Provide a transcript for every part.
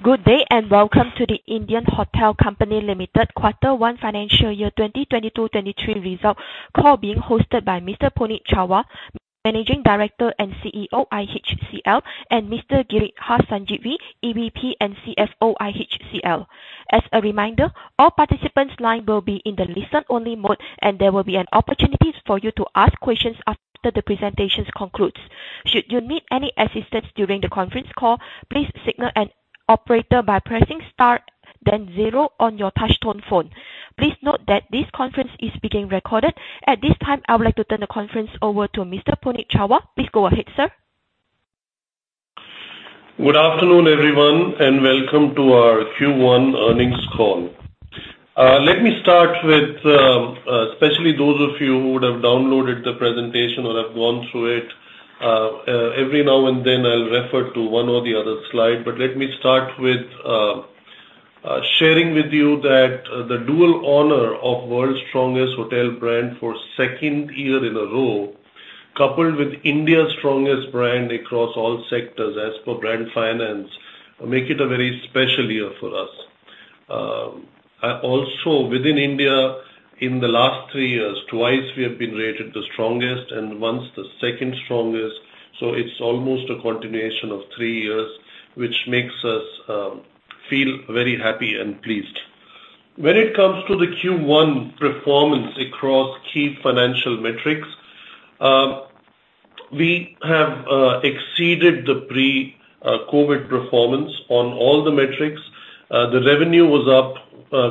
Good day, and welcome to The Indian Hotels Company Limited quarter one financial year 2022/2023 results call being hosted by Mr. Puneet Chhatwal, Managing Director and CEO, IHCL, and Mr. Giridhar Sanjeevi, EVP and CFO, IHCL. As a reminder, all participants' lines will be in the listen-only mode, and there will be an opportunity for you to ask questions after the presentation concludes. Should you need any assistance during the conference call, please signal an operator by pressing star, then zero on your touchtone phone. Please note that this conference is being recorded. At this time, I would like to turn the conference over to Mr. Puneet Chhatwal. Please go ahead, sir. Good afternoon, everyone, and welcome to our Q1 earnings call. Let me start with especially those of you who would have downloaded the presentation or have gone through it. Every now and then I'll refer to one or the other slide. Let me start with sharing with you that the dual honor of World's Strongest Hotel Brand for second year in a row, coupled with India's Strongest Brand across all sectors as per Brand Finance, make it a very special year for us. Also within India, in the last three years, twice we have been rated the strongest and once the second strongest. It's almost a continuation of three years, which makes us feel very happy and pleased. When it comes to the Q1 performance across key financial metrics, we have exceeded the pre-COVID performance on all the metrics. The revenue was up,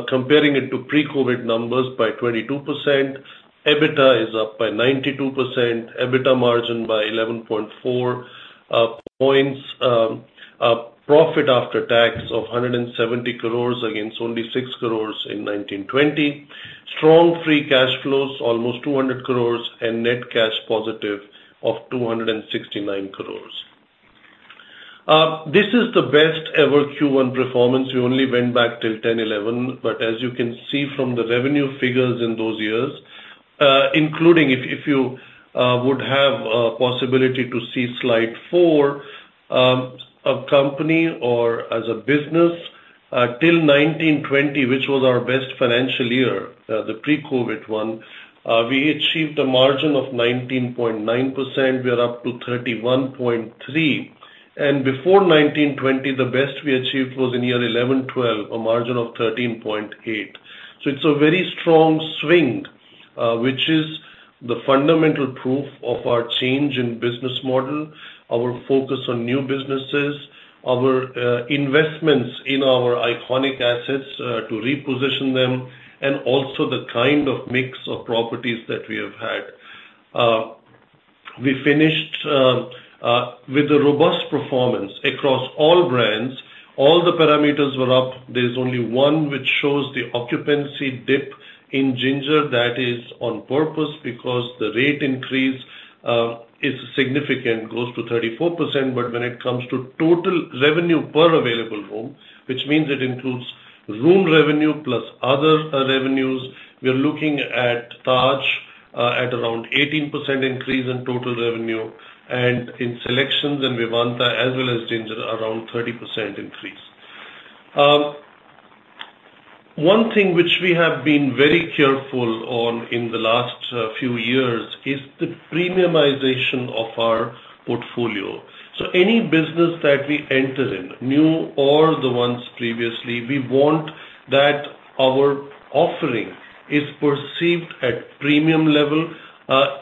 comparing it to pre-COVID numbers by 22%. EBITDA is up by 92%, EBITDA margin by 11.4 points, profit after tax of 170 crores against only 6 crores in 2019-2020. Strong free cash flows, almost 200 crores, and net cash positive of 269 crores. This is the best ever Q1 performance. We only went back till 2010/2011, but as you can see from the revenue figures in those years, including if you would have a possibility to see slide four, as a company or as a business, till 2019-2020, which was our best financial year, the pre-COVID one, we achieved a margin of 19.9%. We are up to 31.3%. Before 2019-2020, the best we achieved was in year 2011/2012, a margin of 13.8%. It's a very strong swing, which is the fundamental proof of our change in business model, our focus on new businesses, our investments in our iconic assets, to reposition them, and also the kind of mix of properties that we have had. We finished with a robust performance across all brands. All the parameters were up. There is only one which shows the occupancy dip in Ginger. That is on purpose because the rate increase is significant, close to 34%. When it comes to total revenue per available room, which means it includes room revenue plus other revenues, we are looking at Taj at around 18% increase in total revenue, and in SeleQtions and Vivanta as well as Ginger, around 30% increase. One thing which we have been very careful on in the last few years is the premiumization of our portfolio. Any business that we enter in, new or the ones previously, we want that our offering is perceived at premium level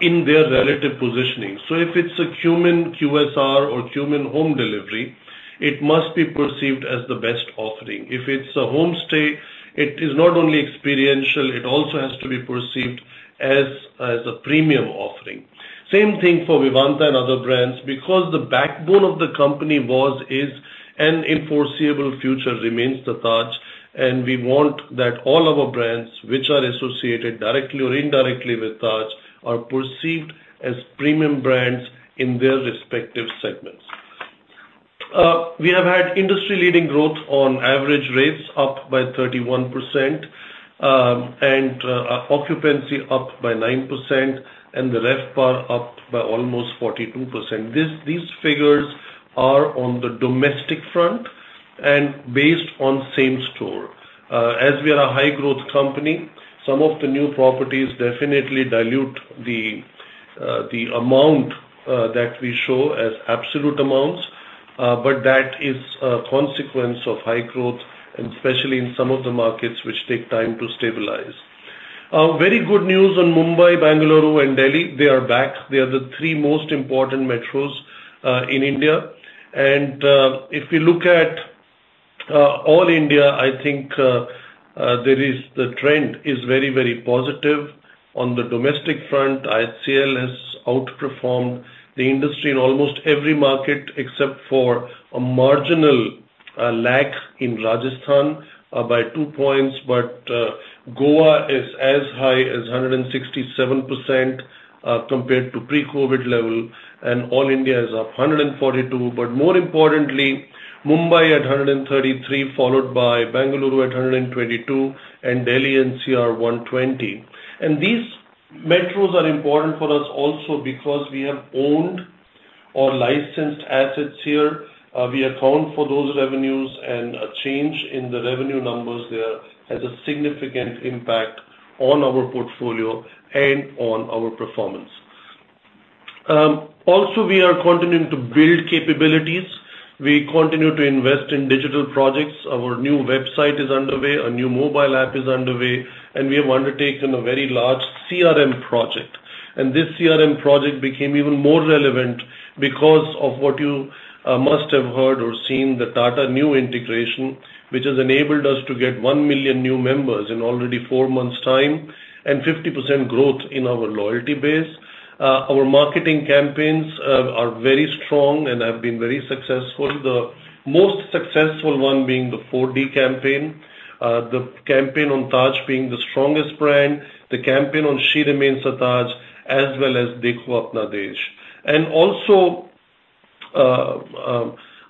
in their relative positioning. If it's a Qmin QSR or Qmin home delivery, it must be perceived as the best offering. If it's a home stay, it is not only experiential, it also has to be perceived as a premium offering. Same thing for Vivanta and other brands, because the backbone of the company was, is, and in foreseeable future, remains the Taj, and we want that all our brands which are associated directly or indirectly with Taj are perceived as premium brands in their respective segments. We have had industry-leading growth on average rates up by 31%, and occupancy up by 9% and the RevPAR up by almost 42%. These figures are on the domestic front and based on same store. As we are a high growth company, some of the new properties definitely dilute the amount that we show as absolute amounts, but that is a consequence of high growth, and especially in some of the markets which take time to stabilize. Very good news on Mumbai, Bengaluru, and Delhi. They are back. They are the three most important metros in India. If we look at all India, I think the trend is very, very positive. On the domestic front, IHCL has outperformed the industry in almost every market except for a marginal lag in Rajasthan by 2 points. Goa is as high as 167%, compared to pre-COVID level, and all India is up 142%. More importantly, Mumbai at 133%, followed by Bengaluru at 122%, and Delhi NCR 120%. These metros are important for us also because we have owned or licensed assets here. We account for those revenues and a change in the revenue numbers there has a significant impact on our portfolio and on our performance. Also we are continuing to build capabilities. We continue to invest in digital projects. Our new website is underway, a new mobile app is underway, and we have undertaken a very large CRM project. This CRM project became even more relevant because of what you must have heard or seen the Tata Neu integration, which has enabled us to get 1 million new members in already four months' time and 50% growth in our loyalty base. Our marketing campaigns are very strong and have been very successful. The most successful one being the 4D campaign, the campaign on Taj being the strongest brand, the campaign on She Remains The Taj, as well as Dekho Apna Desh. Also,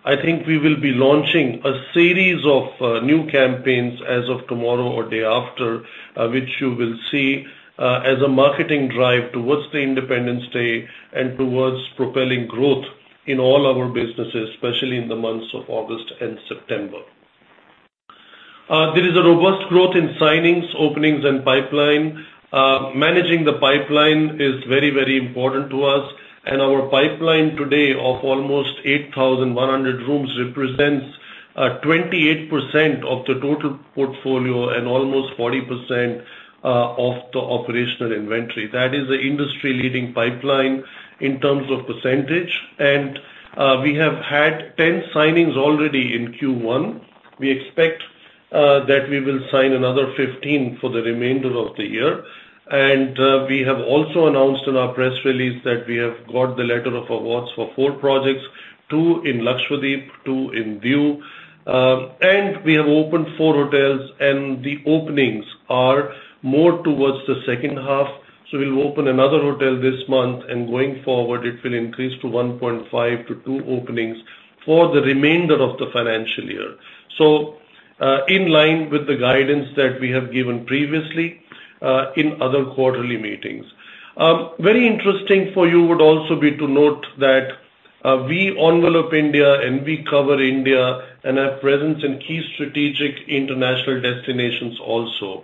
I think we will be launching a series of new campaigns as of tomorrow or day after, which you will see, as a marketing drive towards the Independence Day and towards propelling growth in all our businesses, especially in the months of August and September. There is a robust growth in signings, openings and pipeline. Managing the pipeline is very, very important to us, and our pipeline today of almost 8,100 rooms represents 28% of the total portfolio and almost 40% of the operational inventory. That is the industry-leading pipeline in terms of percentage. We have had 10 signings already in Q1. We expect that we will sign another 15 for the remainder of the year. We have also announced in our press release that we have got the letter of awards for four projects, two in Lakshadweep, two in Diu, and we have opened four hotels, and the openings are more towards the second half. We'll open another hotel this month, and going forward it will increase to 1.5 to two openings for the remainder of the financial year. In line with the guidance that we have given previously, in other quarterly meetings. Very interesting for you would also be to note that we envelop India and we cover India and have presence in key strategic international destinations also.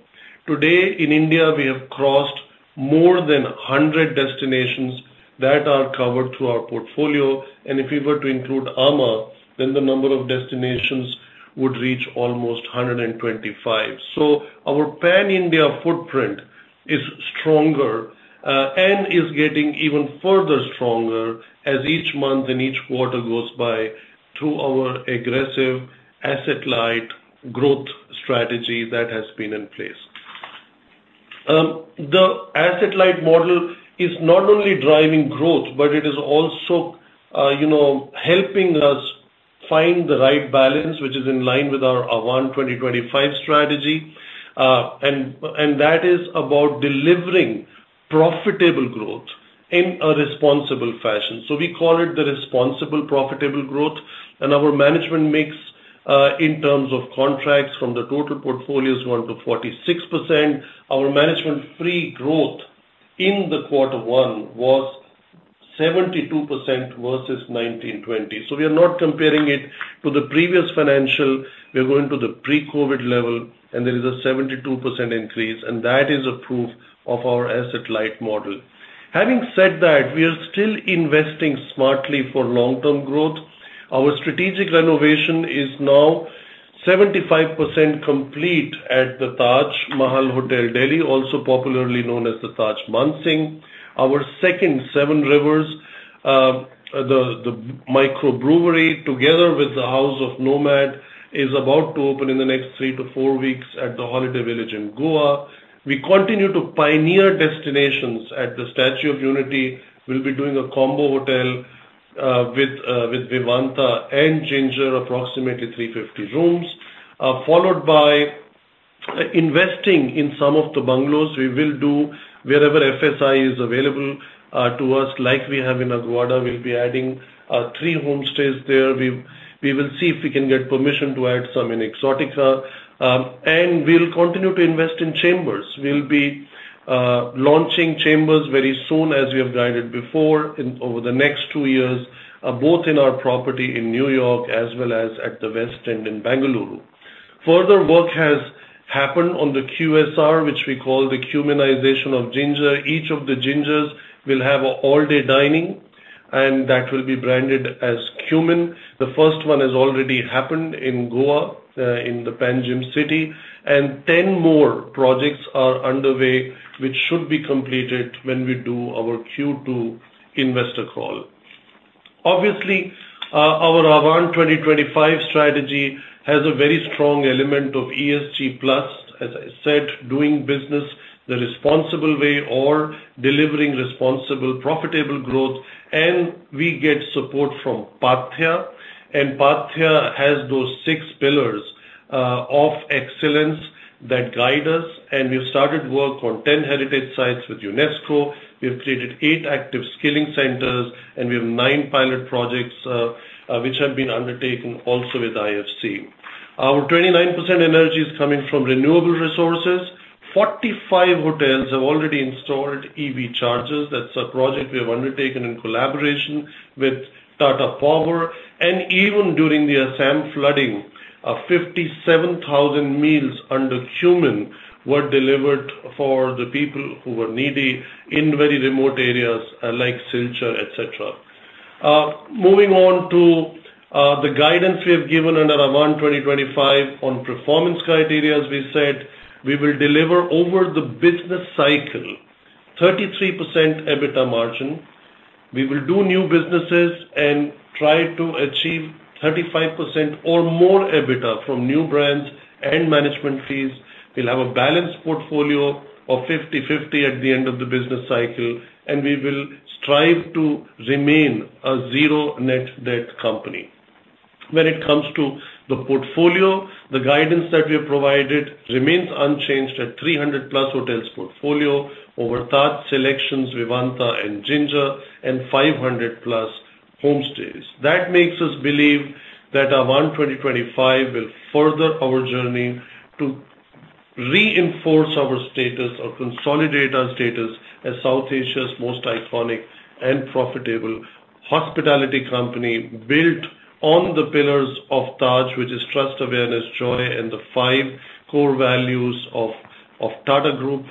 Today in India, we have crossed more than 100 destinations that are covered through our portfolio, and if we were to include amã, then the number of destinations would reach almost 125. Our pan-India footprint is stronger and is getting even further stronger as each month and each quarter goes by through our aggressive asset-light growth strategy that has been in place. The asset-light model is not only driving growth, but it is also helping us find the right balance, which is in line with our Ahvaan 2025 strategy. That is about delivering profitable growth in a responsible fashion. We call it the responsible profitable growth. Our management mix in terms of contracts from the total portfolio is 1%-46%. Our management fee growth in the quarter one was 72% versus 2019-2020. We are not comparing it to the previous financial. We are going to the pre-COVID level, and there is a 72% increase, and that is a proof of our asset-light model. Having said that, we are still investing smartly for long-term growth. Our strategic renovation is now 75% complete at the Taj Mahal hotel, Delhi, also popularly known as the Taj Mansingh. Our second Seven Rivers microbrewery together with the House of Nomad is about to open in the next three to four weeks at the Holiday Village in Goa. We continue to pioneer destinations at the Statue of Unity. We'll be doing a combo hotel with Vivanta and Ginger, approximately 350 rooms, followed by investing in some of the bungalows. We will do wherever FSI is available to us like we have in Aguada. We'll be adding three homestays there. We will see if we can get permission to add some in Exotica. We'll continue to invest in Chambers. We'll be launching Chambers very soon, as we have guided before in over the next two years, both in our property in New York as well as at the West End in Bengaluru. Further work has happened on the QSR, which we call the Qminization of Ginger. Each of the Gingers will have all-day dining, and that will be branded as Qmin. The first one has already happened in Goa, in the Panjim City, and 10 more projects are underway, which should be completed when we do our Q2 investor call. Obviously, our Ahvaan 2025 strategy has a very strong element of ESG+, as I said, doing business the responsible way or delivering responsible profitable growth, and we get support from Paathyā, and Paathyā has those six pillars of excellence that guide us, and we've started work on 10 heritage sites with UNESCO. We've created eight active skilling centers, and we have nine pilot projects which have been undertaken also with IFC. Our 29% energy is coming from renewable resources. 45 hotels have already installed EV chargers. That's a project we have undertaken in collaboration with Tata Power. Even during the Assam flooding, 57,000 meals under were delivered for the people who were needy in very remote areas like Silchar, etc. Moving on to the guidance we have given under Ahvaan 2025 on performance criteria. We said we will deliver over the business cycle 33% EBITDA margin. We will do new businesses and try to achieve 35% or more EBITDA from new brands and management fees. We'll have a balanced portfolio of 50/50 at the end of the business cycle, and we will strive to remain a zero net debt company. When it comes to the portfolio, the guidance that we have provided remains unchanged at 300+ hotels portfolio over Taj, SeleQtions, Vivanta and Ginger and 500+ homestays. That makes us believe that Ahvaan 2025 will further our journey to reinforce our status or consolidate our status as South Asia's most iconic and profitable hospitality company built on the pillars of Taj, which is trust, awareness, joy, and the five core values of Tata Group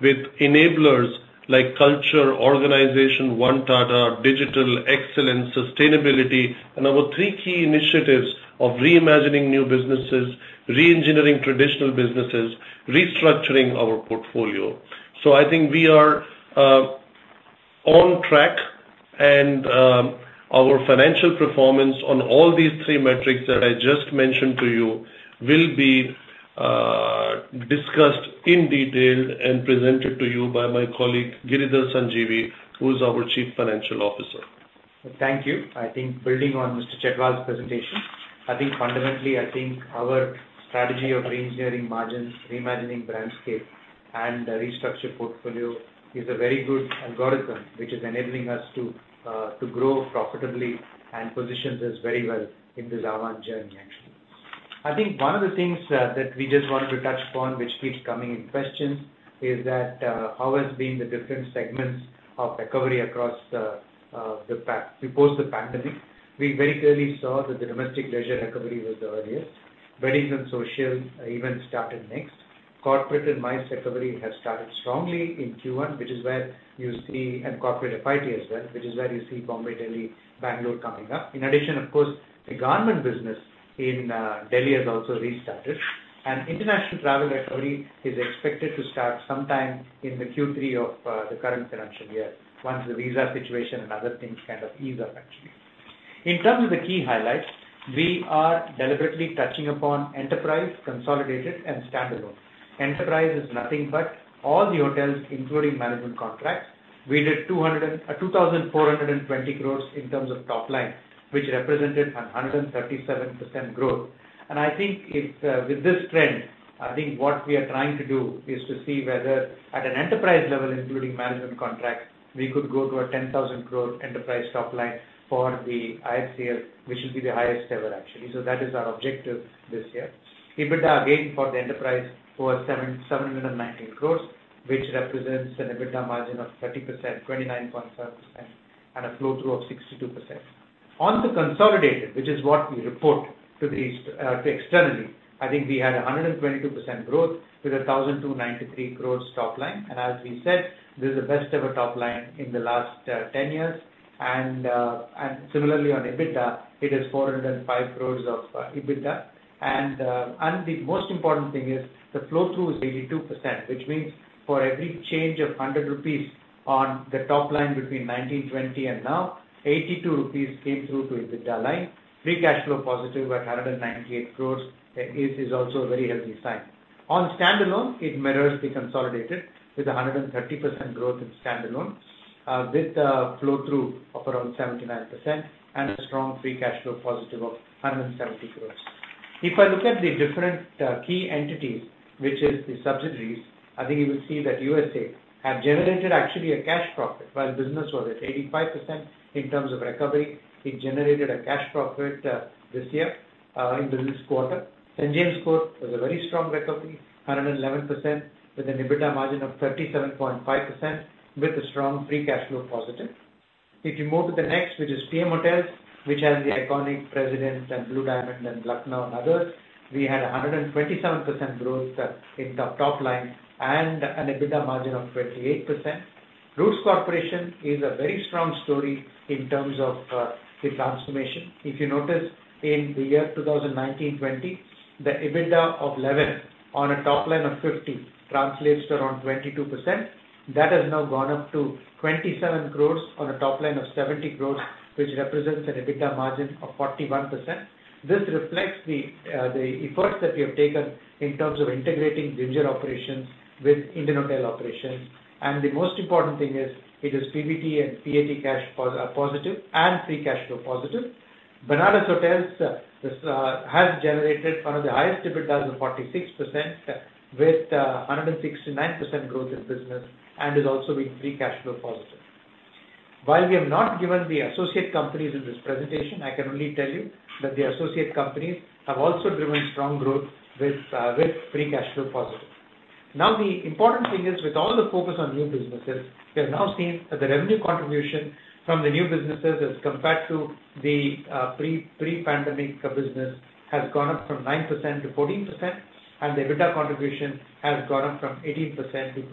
with enablers like culture, organization, One Tata, digital excellence, sustainability, and our three key initiatives of reimagining new businesses, re-engineering traditional businesses, restructuring our portfolio. I think we are on track and our financial performance on all these three metrics that I just mentioned to you will be discussed in detail and presented to you by my colleague, Giridhar Sanjeevi, who is our Chief Financial Officer. Thank you. I think building on Mr. Chhatwal's presentation, I think fundamentally, I think our strategy of re-engineering margins, reimagining brandscape and restructure portfolio is a very good algorithm which is enabling us to grow profitably and positions us very well in this Ahvaan journey actually. I think one of the things that we just wanted to touch upon, which keeps coming in questions, is that how has been the different segments of recovery across the post the pandemic. We very clearly saw that the domestic leisure recovery was the earliest. Weddings and social events started next. Corporate and MICE recovery has started strongly in Q1, which is where you see corporate FIT as well, which is where you see Bombay, Delhi, Bangalore coming up. In addition, of course, the government business in Delhi has also restarted, and international travel recovery is expected to start sometime in the Q3 of the current financial year, once the visa situation and other things kind of ease up actually. In terms of the key highlights, we are deliberately touching upon Enterprise, Consolidated, and Standalone. Enterprise is nothing but all the hotels, including management contracts. We did 2,420 crores in terms of top line, which represented 137% growth. I think it's with this trend, I think what we are trying to do is to see whether at an Enterprise level, including management contracts, we could go to an 10,000 crore Enterprise top line for the IHCL, which will be the highest ever actually. That is our objective this year. EBITDA for the Enterprise was 719 crore, which represents an EBITDA margin of 30%, 29.7% and a flow through of 62%. On the Consolidated, which is what we report to externally, I think we had 122% growth with 1,293 crore top line. As we said, this is the best ever top line in the last 10 years. Similarly on EBITDA, it is 405 crore of EBITDA. The most important thing is the flow through is 82%, which means for every change of 100 rupees on the top line between 2019-2020 and now, 82 rupees came through to EBITDA line. Free cash flow positive at 198 crore is also a very healthy sign. On Standalone, it mirrors the Consolidated with 130% growth in Standalone, with a flow through of around 79% and a strong free cash flow positive of 170 crores. If I look at the different, key entities, which is the subsidiaries, I think you will see that U.S.A have generated actually a cash profit while business was at 85% in terms of recovery. It generated a cash profit, this year, in this quarter. St. James' Court has a very strong recovery, 111% with an EBITDA margin of 37.5% with a strong free cash flow positive. If you move to the next, which is, which has the iconic President and Blue Diamond in [Blackna] and others, we had 127% growth in the top line and an EBITDA margin of 28%. Roots Corporation is a very strong story in terms of the transformation. If you notice, in the year 2019-2020, the EBITDA of 11 on a top line of 50 translates to around 22%. That has now gone up to 27 crores on a top line of 70 crores, which represents an EBITDA margin of 41%. This reflects the efforts that we have taken in terms of integrating Ginger operations with Indian Hotels operations. The most important thing is it is PBT and PAT cash positive and free cash flow positive. Benares Hotels has generated one of the highest EBITDA of 46% with 169% growth in business and has also been free cash flow positive. While we have not given the associate companies in this presentation, I can only tell you that the associate companies have also driven strong growth with free cash flow positive. Now, the important thing is with all the focus on new businesses, we have now seen that the revenue contribution from the new businesses as compared to the pre-pandemic business has gone up from 9%-10% to 14%, and the EBITDA contribution has gone up from 18% to 22%.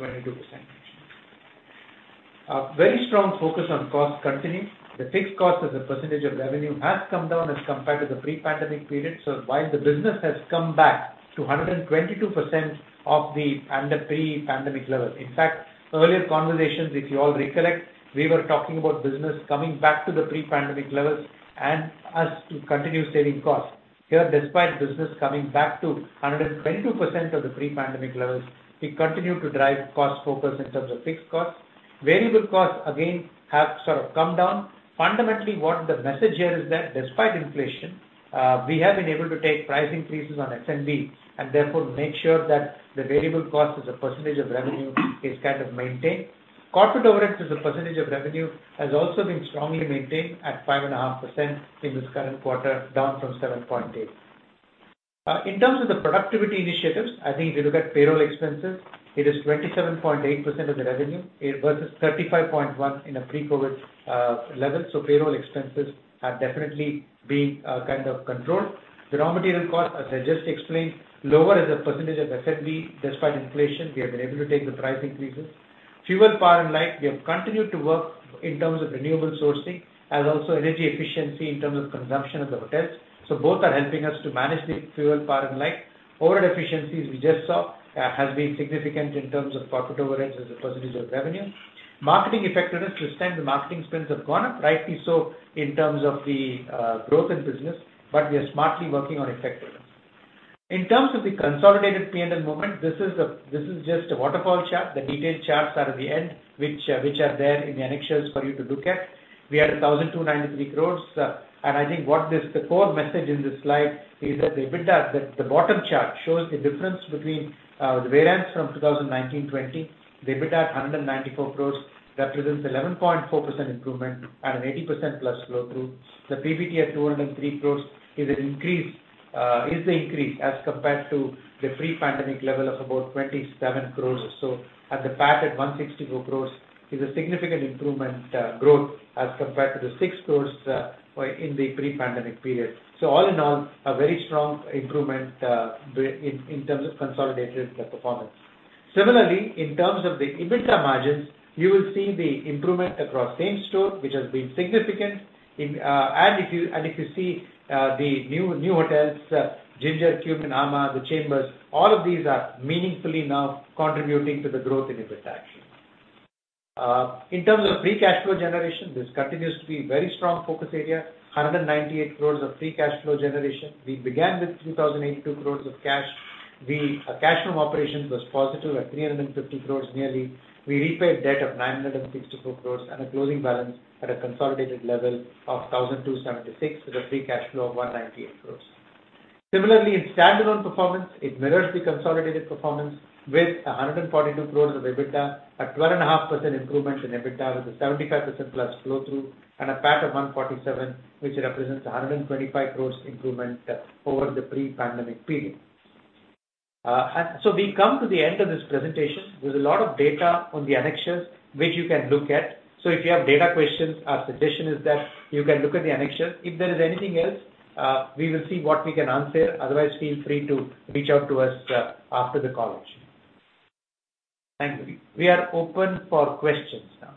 Very strong focus on cost continues. The fixed cost as a percentage of revenue has come down as compared to the pre-pandemic period. While the business has come back to 122% of the pre-pandemic level. In fact, earlier conversations, if you all recollect, we were talking about business coming back to the pre-pandemic levels and we continue saving costs. Here, despite business coming back to 122% of the pre-pandemic levels, we continue to drive cost focus in terms of fixed costs. Variable costs, again, have sort of come down. Fundamentally, what the message here is that despite inflation, we have been able to take price increases on F&B and therefore make sure that the variable cost as a percentage of revenue is kind of maintained. Corporate overhead as a percentage of revenue has also been strongly maintained at 5.5% in this current quarter, down from 7.8%. In terms of the productivity initiatives, I think if you look at payroll expenses, it is 27.8% of the revenue. It versus 35.1% in a pre-COVID level, so payroll expenses are definitely being kind of controlled. The raw material cost, as I just explained, lower as a percentage of F&B. Despite inflation, we have been able to take the price increases. Fuel, power and light, we have continued to work in terms of renewable sourcing as also energy efficiency in terms of consumption of the hotels. Both are helping us to manage the fuel, power and light. Overhead efficiencies we just saw has been significant in terms of corporate overhead as a percentage of revenue. Marketing effectiveness, this time the marketing spends have gone up, rightly so, in terms of the growth in business, but we are smartly working on effectiveness. In terms of the Consolidated P&L movement, this is just a waterfall chart. The detailed charts are at the end, which are there in the annexures for you to look at. We are at 1,293 crores. I think the core message in this slide is that the EBITDA. The bottom chart shows the variance from 2019/2020. The EBITDA at 194 crores represents 11.4% improvement at an 80%+ flow through. The PBT at 203 crores is the increase as compared to the pre-pandemic level of about 27 crores or so. The PAT at 164 crore is a significant improvement, growth as compared to the 6 crore in the pre-pandemic period. All in all, a very strong improvement in terms of Consolidated performance. Similarly, in terms of the EBITDA margins, you will see the improvement across same store, which has been significant. If you see the new hotels, Ginger, Cube, and amã, The Chambers, all of these are meaningfully now contributing to the growth in EBITDA action. In terms of free cash flow generation, this continues to be a very strong focus area. 198 crore of free cash flow generation. We began with 2,082 crore of cash. The cash from operations was positive at nearly 350 crore. We repaid debt of 964 crore and a closing balance at a Consolidated level of 1,276 crore with a free cash flow of 198 crore. Similarly, in Standalone performance, it mirrors the Consolidated performance with 142 crore of EBITDA at 12.5% improvement in EBITDA with a 75%+ flow through and a PAT of 147 crore, which represents a 125 crore improvement over the pre-pandemic period. We come to the end of this presentation. There's a lot of data on the annexures which you can look at. If you have data questions, our suggestion is that you can look at the annexures. If there is anything else, we will see what we can answer. Otherwise, feel free to reach out to us after the call. Thank you. We are open for questions now.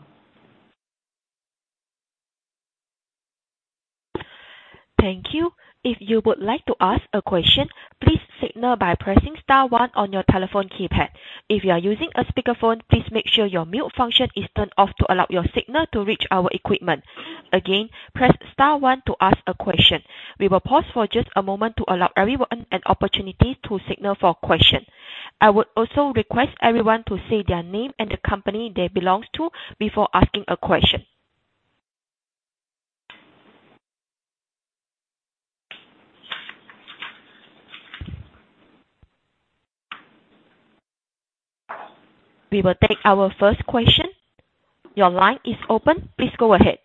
Thank you. If you would like to ask a question, please signal by pressing star one on your telephone keypad. If you are using a speakerphone, please make sure your mute function is turned off to allow your signal to reach our equipment. Again, press star one to ask a question. We will pause for just a moment to allow everyone an opportunity to signal for question. I would also request everyone to say their name and the company they belong to before asking a question. We will take our first question. Your line is open. Please go ahead.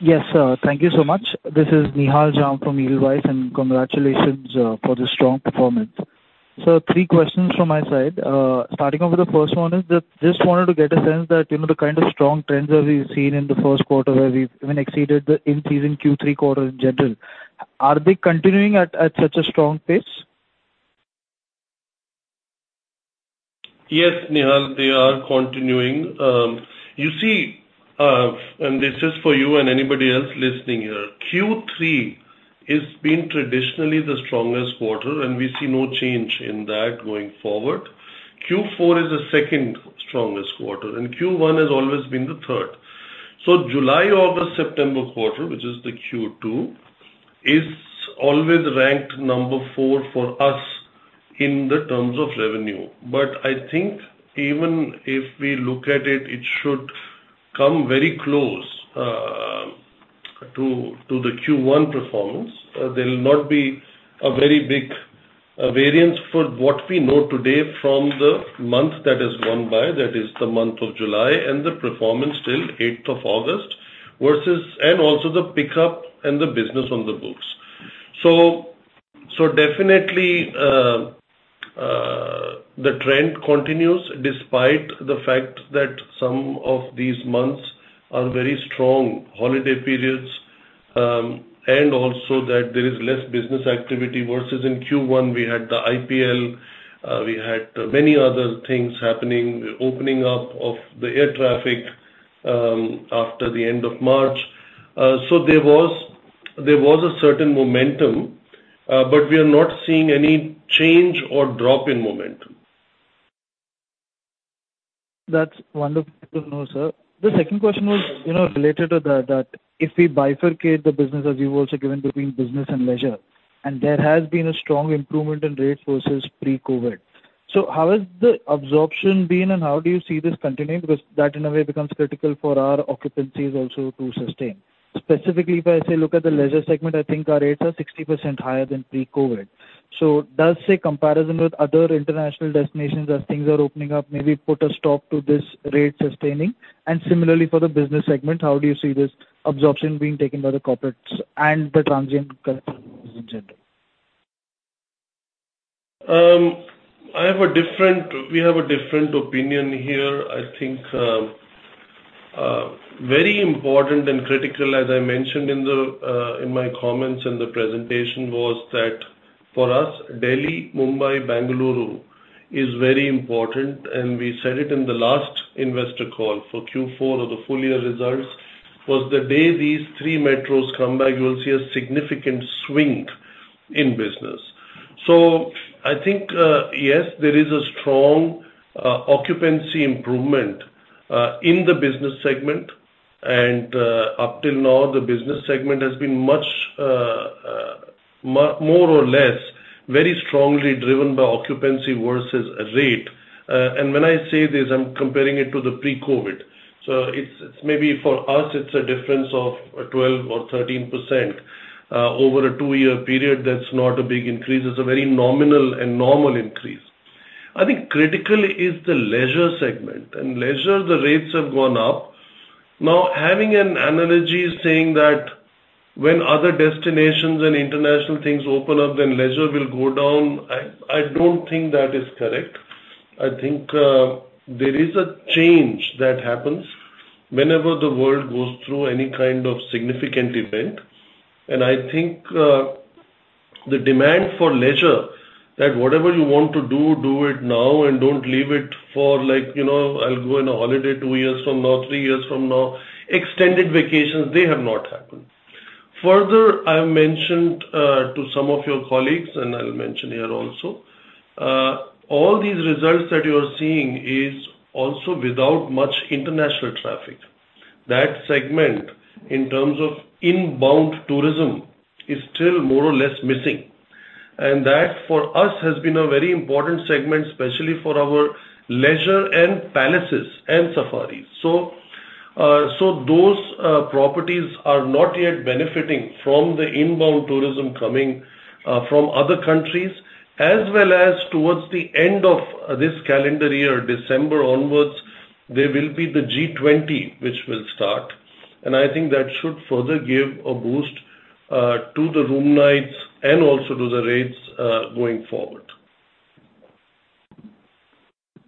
Yes, thank you so much. This is Nihal Jham from Edelweiss, and congratulations for the strong performance. Three questions from my side. Starting off with the first one is that just wanted to get a sense that, you know, the kind of strong trends that we've seen in the first quarter, where we've even exceeded the in-season Q3 quarter in general. Are they continuing at such a strong pace? Yes, Nihal, they are continuing. You see, this is for you and anybody else listening here. Q3 has been traditionally the strongest quarter, and we see no change in that going forward. Q4 is the second strongest quarter, and Q1 has always been the third. July, August, September quarter, which is the Q2, is always ranked number four for us in terms of revenue. I think even if we look at it should come very close to the Q1 performance. There will not be a very big variance for what we know today from the month that has gone by, that is the month of July, and the performance till 8th of August versus and also the pickup and the business on the books. Definitely, the trend continues despite the fact that some of these months are very strong holiday periods, and also that there is less business activity versus in Q1 we had the IPL, we had many other things happening, opening up of the air traffic, after the end of March. There was a certain momentum, but we are not seeing any change or drop in momentum. That's wonderful to know, sir. The second question was, you know, related to the, that if we bifurcate the business as you've also given between business and leisure, and there has been a strong improvement in rate versus pre-COVID. How has the absorption been and how do you see this continuing? Because that in a way becomes critical for our occupancies also to sustain. Specifically, if I say look at the leisure segment, I think our rates are 60% higher than pre-COVID. Does, say, comparison with other international destinations as things are opening up, maybe put a stop to this rate sustaining? Similarly for the business segment, how do you see this absorption being taken by the corporates and the transient in general? We have a different opinion here. I think very important and critical, as I mentioned in my comments in the presentation was that for us, Delhi, Mumbai, Bengaluru is very important and we said it in the last investor call for Q4 of the full year results, was the day these three metros come back you will see a significant swing in business. I think yes, there is a strong occupancy improvement in the business segment. Up till now, the business segment has been much more or less very strongly driven by occupancy versus rate. When I say this, I'm comparing it to the pre-COVID. It's maybe for us it's a difference of 12% or 13% over a two-year period. That's not a big increase. It's a very nominal and normal increase. I think critical is the leisure segment. In leisure the rates have gone up. Now, having an analogy saying that when other destinations and international things open up, then leisure will go down, I don't think that is correct. I think, there is a change that happens whenever the world goes through any kind of significant event. I think, the demand for leisure that whatever you want to do it now and don't leave it for like, you know, I'll go on a holiday two years from now, three years from now. Extended vacations, they have not happened. Further, I mentioned to some of your colleagues, and I'll mention here also, all these results that you are seeing is also without much international traffic. That segment in terms of inbound tourism is still more or less missing. That for us has been a very important segment, especially for our leisure and palaces and safaris. Those properties are not yet benefiting from the inbound tourism coming from other countries. As well as towards the end of this calendar year, December onwards, there will be the G20 which will start, and I think that should further give a boost to the room nights and also to the rates going forward.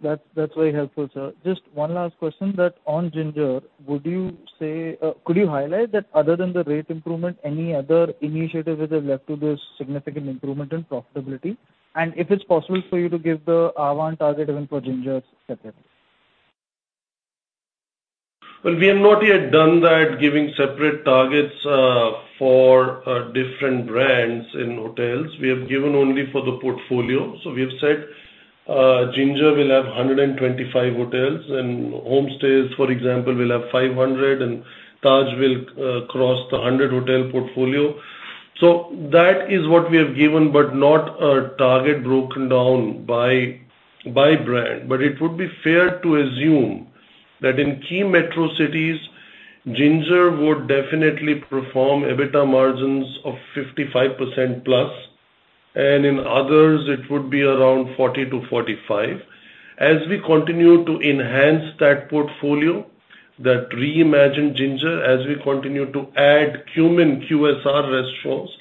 That's very helpful, sir. Just one last question that on Ginger, would you say, could you highlight that other than the rate improvement, any other initiative which has led to this significant improvement in profitability? If it's possible for you to give the Ahvaan target even for Ginger separately. Well, we have not yet done that, giving separate targets for different brands in hotels. We have given only for the portfolio. We have said Ginger will have 125 hotels, and homestays, for example, will have 500, and Taj will cross the 100-hotel portfolio. That is what we have given, but not a target broken down by brand. It would be fair to assume that in key metro cities, Ginger would definitely perform EBITDA margins of 55%+, and in others it would be around 40%-45%. As we continue to enhance that portfolio, that reimagined Ginger, as we continue to add Qmin QSR restaurants,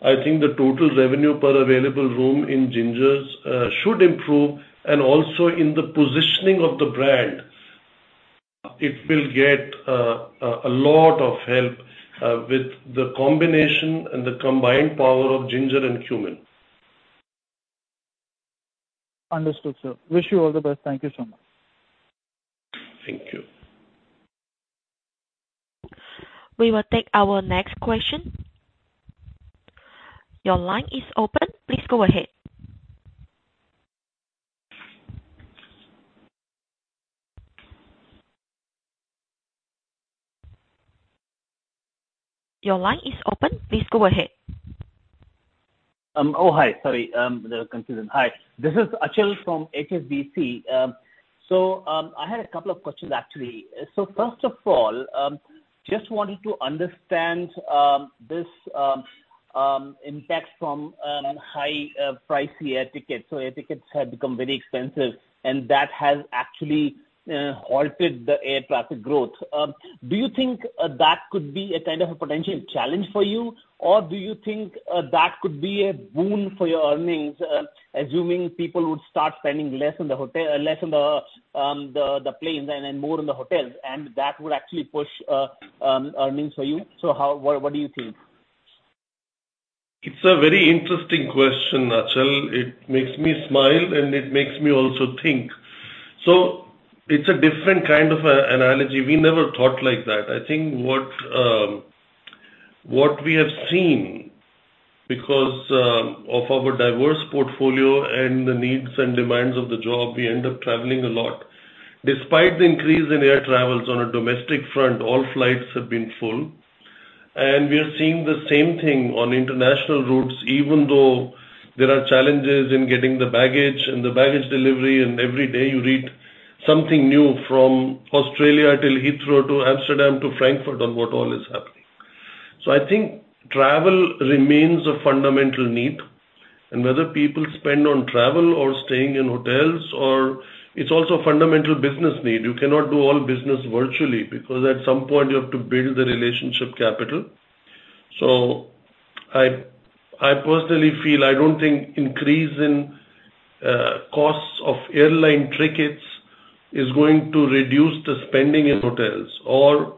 I think the total revenue per available room in Gingers should improve, and also in the positioning of the brand, it will get a lot of help with the combination and the combined power of Ginger and Qmin. Understood, sir. Wish you all the best. Thank you so much. Thank you. We will take our next question. Your line is open. Please go ahead. Your line is open. Please go ahead. Hi. Sorry, the confusion. Hi, this is Achal from HSBC. I had a couple of questions actually. First of all, just wanted to understand this impact from high-priced air tickets. Air tickets have become very expensive, and that has actually halted the air traffic growth. Do you think that could be a kind of a potential challenge for you? Or do you think that could be a boon for your earnings, assuming people would start spending less in the planes and then more in the hotels, and that would actually push earnings for you? What do you think? It's a very interesting question, Achal. It makes me smile, and it makes me also think. It's a different kind of a analogy. We never thought like that. I think what we have seen because of our diverse portfolio and the needs and demands of the job, we end up traveling a lot. Despite the increase in air travels on a domestic front, all flights have been full. We are seeing the same thing on international routes, even though there are challenges in getting the baggage and the baggage delivery, and every day you read something new from Australia till Heathrow to Amsterdam to Frankfurt on what all is happening. I think travel remains a fundamental need, and whether people spend on travel or staying in hotels or it's also a fundamental business need. You cannot do all business virtually because at some point you have to build the relationship capital. I personally feel I don't think increase in costs of airline tickets is going to reduce the spending in hotels or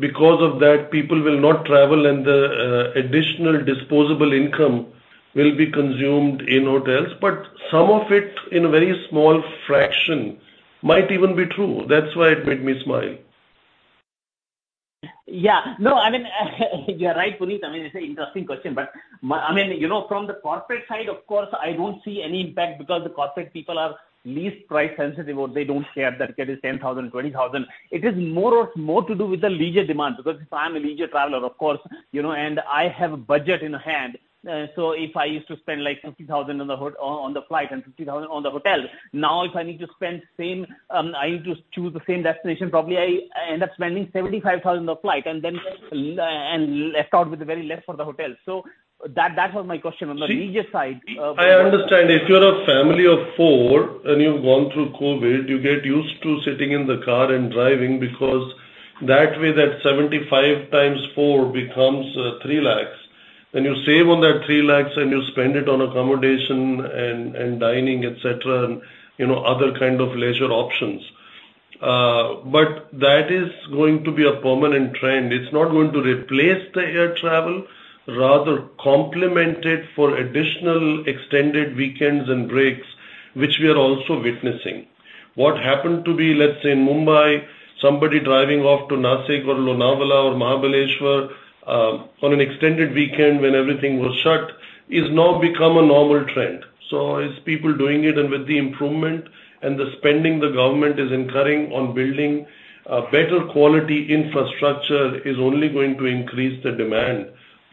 because of that, people will not travel and the additional disposable income will be consumed in hotels. Some of it, in a very small fraction, might even be true. That's why it made me smile. Yeah. No, I mean you're right, Puneet. I mean, it's an interesting question. I mean, you know, from the corporate side, of course, I don't see any impact because the corporate people are least price sensitive or they don't care that ticket is 10,000, 20,000. It is more to do with the leisure demand because if I'm a leisure traveler, of course, you know, and I have a budget in hand, so if I used to spend like 50,000 on the flight and 50,000 on the hotel, now if I need to spend same, I need to choose the same destination, probably I end up spending 75,000 on flight and then left out with very less for the hotel. So that was my question on the leisure side. See, I understand. If you're a family of four and you've gone through COVID, you get used to sitting in the car and driving because that way that 75 x 4 becomes 3 lakhs. When you save on that 3 lakhs and you spend it on accommodation and dining, et cetera, and you know, other kind of leisure options. But that is going to be a permanent trend. It's not going to replace the air travel, rather complement it for additional extended weekends and breaks, which we are also witnessing. What happened to be, let's say in Mumbai, somebody driving off to Nashik or Lonavala or Mahabaleshwar, on an extended weekend when everything was shut, is now become a normal trend. As people doing it and with the improvement and the spending the government is incurring on building a better quality infrastructure is only going to increase the demand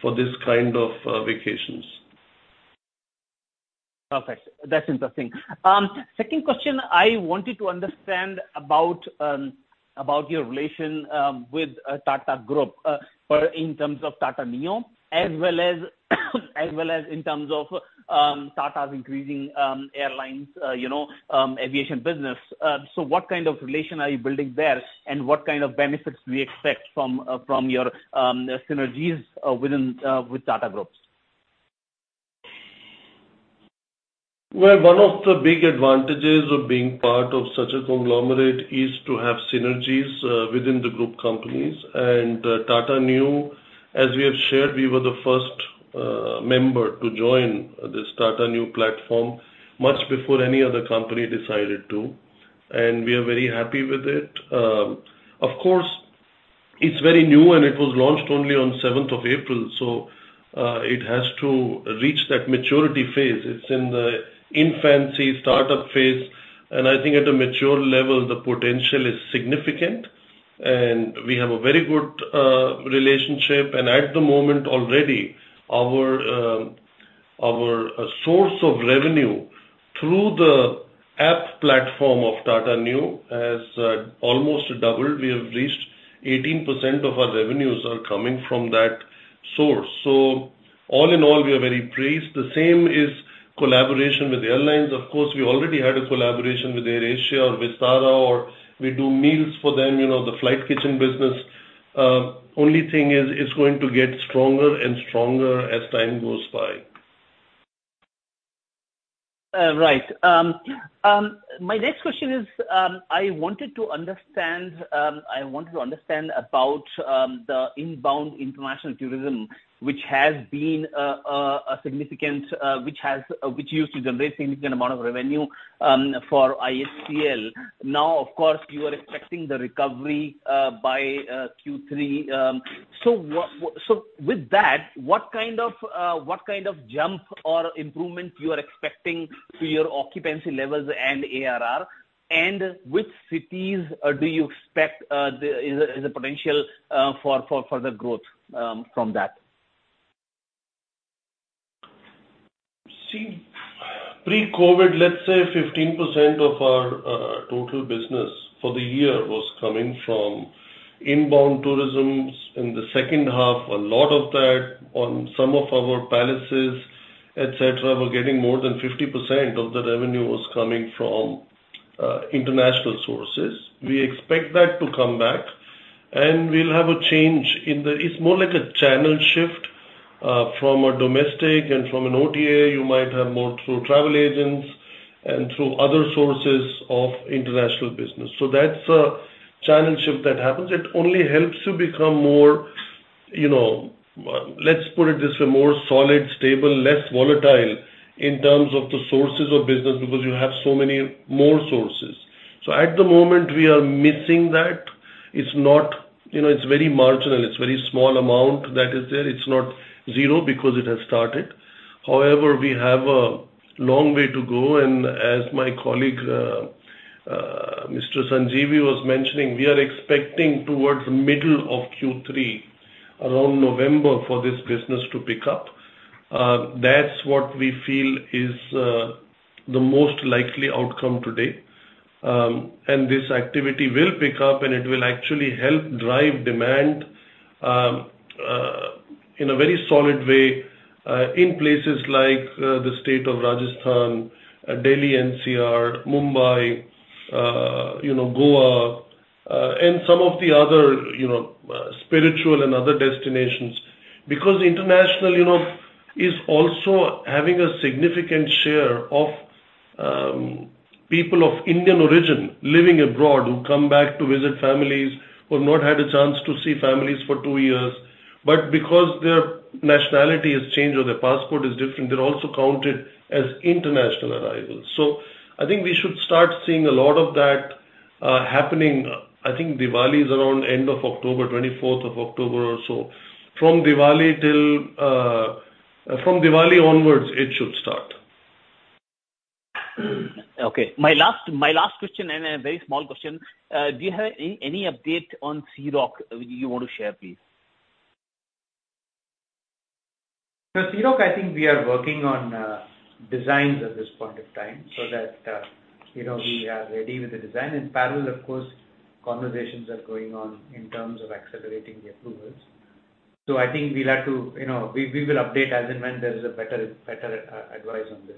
for this kind of vacations. Perfect. That's interesting. Second question, I wanted to understand about your relation with Tata Group in terms of Tata Neu as well as in terms of Tata's increasing airlines, you know, aviation business. What kind of relation are you building there? What kind of benefits do you expect from your synergies within with Tata Group? Well, one of the big advantages of being part of such a conglomerate is to have synergies within the group companies. Tata Neu, as we have shared, we were the first member to join this Tata Neu platform much before any other company decided to, and we are very happy with it. Of course, it's very new, and it was launched only on 7th of April, so it has to reach that maturity phase. It's in the infancy startup phase, and I think at a mature level the potential is significant. We have a very good relationship. At the moment already our source of revenue through the app platform of Tata Neu has almost doubled. We have reached 18% of our revenues are coming from that source. All in all, we are very pleased. The same is collaboration with airlines. Of course, we already had a collaboration with AirAsia or Vistara, or we do meals for them, you know, the flight kitchen business. Only thing is it's going to get stronger and stronger as time goes by. Right. My next question is, I wanted to understand about the inbound international tourism, which has been a significant, which used to generate significant amount of revenue for IHCL. Now, of course, you are expecting the recovery by Q3. So with that, what kind of jump or improvement you are expecting to your occupancy levels and ARR? And which cities do you expect there is a potential for further growth from that? See, pre-COVID, let's say 15% of our total business for the year was coming from inbound tourisms. In the second half, a lot of that on some of our palaces, et cetera, were getting more than 50% of the revenue was coming from international sources. We expect that to come back, and we'll have a change. It's more like a channel shift from a domestic and from an OTA, you might have more through travel agents and through other sources of international business. That's a channel shift that happens. It only helps you become more, you know, let's put it this way, more solid, stable, less volatile in terms of the sources of business because you have so many more sources. At the moment, we are missing that. It's not. You know, it's very marginal. It's a very small amount that is there. It's not zero because it has started. However, we have a long way to go, and as my colleague, Mr. Sanjeevi was mentioning, we are expecting towards middle of Q3, around November for this business to pick up. That's what we feel is the most likely outcome today. This activity will pick up, and it will actually help drive demand in a very solid way in places like the state of Rajasthan, Delhi NCR, Mumbai, you know, Goa, and some of the other, you know, spiritual and other destinations. Because international, you know, is also having a significant share of people of Indian origin living abroad who come back to visit families who have not had a chance to see families for two years. Because their nationality has changed or their passport is different, they're also counted as international arrivals. I think we should start seeing a lot of that happening. I think Diwali is around end of October, 24th of October or so. From Diwali onwards, it should start. Okay. My last question and a very small question. Do you have any update on Sea Rock you want to share, please? Sea Rock, I think we are working on designs at this point of time so that you know we are ready with the design. In parallel, of course, conversations are going on in terms of accelerating the approvals. I think we'll have to. You know, we will update as and when there is better advice on this.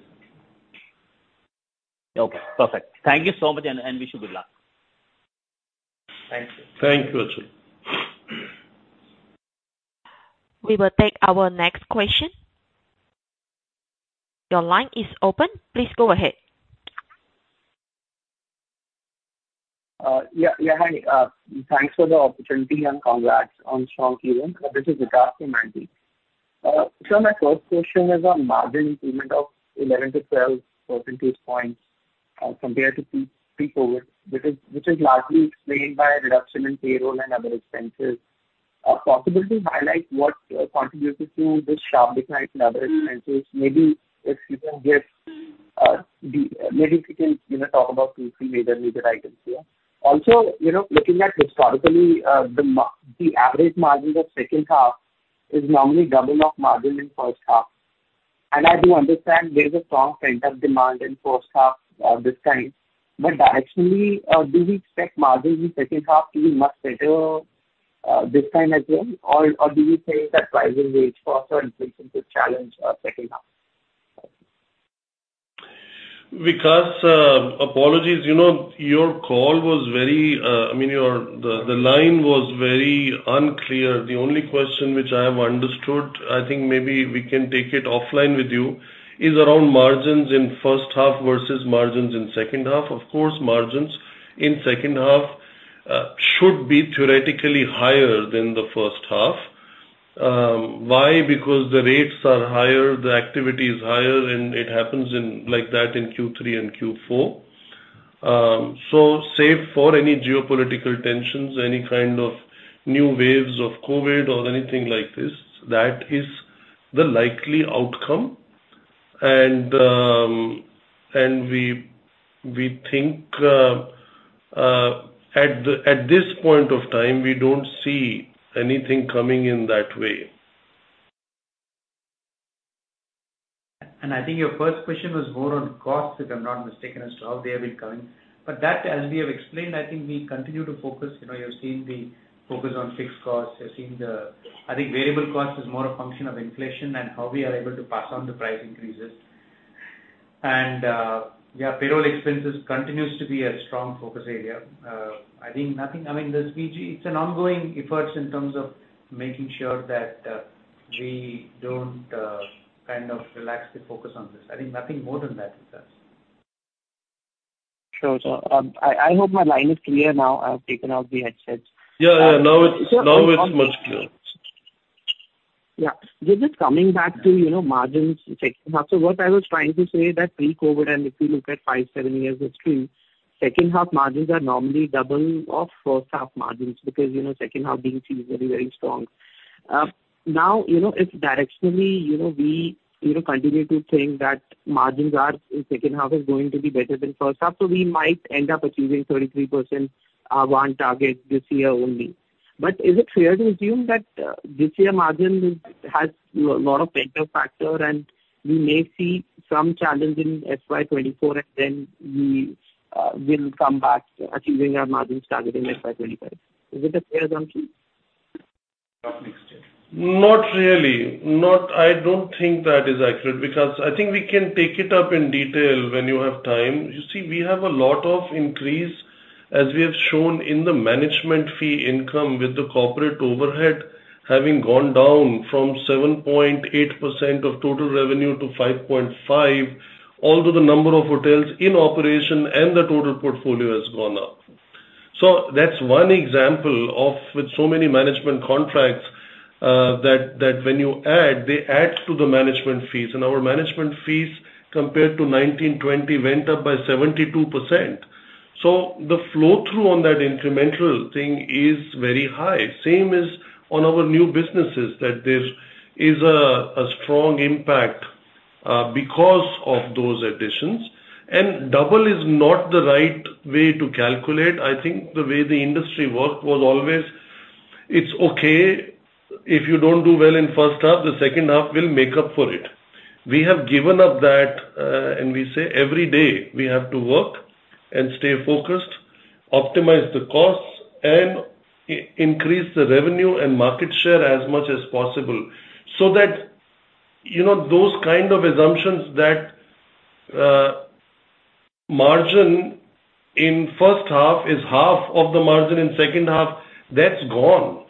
Okay. Perfect. Thank you so much, and wish you good luck. Thank you. Thank you, Achal. We will take our next question. Your line is open. Please go ahead. Hi. Thanks for the opportunity and congrats on strong Q1. This is Vikas from Antique. So my first question is on margin improvement of 11 percentage points-12 percentage points, compared to pre-COVID, which is largely explained by a reduction in payroll and other expenses. Possible to highlight what contributed to this sharp decline in other expenses? Maybe if you can, you know, talk about two, three major items here. Also, you know, looking at historically, the average margins of second half is normally double of margin in first half. I do understand there is a strong pent-up demand in first half, this time. Directionally, do we expect margins in second half to be much better, this time as well? Do you think that rising rates, faster inflation could challenge second half? Vikas, apologies. You know, your call was very, I mean, the line was very unclear. The only question which I have understood, I think maybe we can take it offline with you, is around margins in first half versus margins in second half. Of course, margins in second half should be theoretically higher than the first half. Why? Because the rates are higher, the activity is higher, and it happens like that in Q3 and Q4. Save for any geopolitical tensions, any kind of new waves of COVID or anything like this, that is the likely outcome. We think at this point of time, we don't see anything coming in that way. I think your first question was more on costs, if I'm not mistaken, as to how they have been coming. That, as we have explained, I think we continue to focus, you know, you've seen the focus on fixed costs. I think variable costs is more a function of inflation and how we are able to pass on the price increases. Payroll expenses continues to be a strong focus area. I mean, it's an ongoing efforts in terms of making sure that we don't kind of relax the focus on this. I think nothing more than that, Vikas. Sure, sir. I hope my line is clear now. I've taken out the headsets. Yeah, yeah. Now it's much clearer. Yeah. Just coming back to, you know, margins in second half. What I was trying to say that pre-COVID, and if you look at five to seven years history, second half margins are normally double of first half margins because, you know, second half DMT is very, very strong. Now, you know, if directionally, you know, we, you know, continue to think that margins in second half is going to be better than first half, so we might end up achieving 33% one target this year only. Is it fair to assume that this year margin has lot of better factor and we may see some challenge in FY 2024 and then we will come back achieving our margin target in FY 2025. Is it a fair assumption? Not really. I don't think that is accurate because I think we can take it up in detail when you have time. You see, we have a lot of increase, as we have shown in the management fee income with the corporate overhead having gone down from 7.8% of total revenue to 5.5%, although the number of hotels in operation and the total portfolio has gone up. That's one example of with so many management contracts, that when you add, they add to the management fees. Our management fees compared to 2019-2020 went up by 72%. The flow-through on that incremental thing is very high. Same as on our new businesses that there is a strong impact because of those additions. Double is not the right way to calculate. I think the way the industry worked was always, it's okay if you don't do well in first half, the second half will make up for it. We have given up that, and we say every day we have to work and stay focused, optimize the costs and increase the revenue and market share as much as possible. That, you know, those kind of assumptions that, margin in first half is half of the margin in second half, that's gone.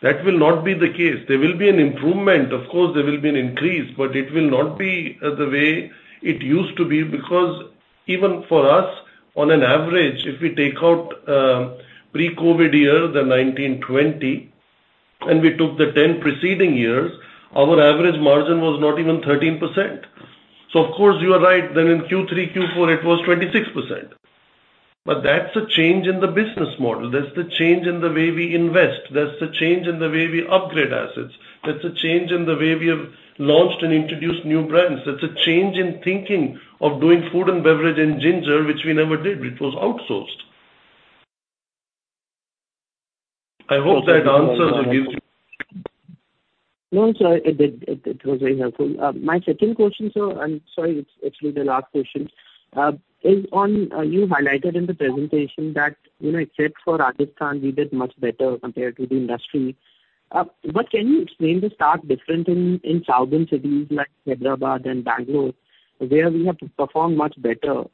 That will not be the case. There will be an improvement. Of course, there will be an increase, but it will not be, the way it used to be because even for us, on an average, if we take out, pre-COVID year, the 2019-2020, and we took the 10 preceding years, our average margin was not even 13%. Of course you are right. In Q3, Q4 it was 26%. That's a change in the business model. That's the change in the way we invest. That's the change in the way we upgrade assets. That's a change in the way we have launched and introduced new brands. That's a change in thinking of doing food & beverage in Ginger, which we never did, which was outsourced. I hope that answers and gives you. No, sir, it did. It was very helpful. My second question, sir, I'm sorry, it's actually the last question, is on, you highlighted in the presentation that, you know, except for Rajasthan we did much better compared to the industry. Can you explain the stark difference in southern cities like Hyderabad and Bangalore, where we have performed much better,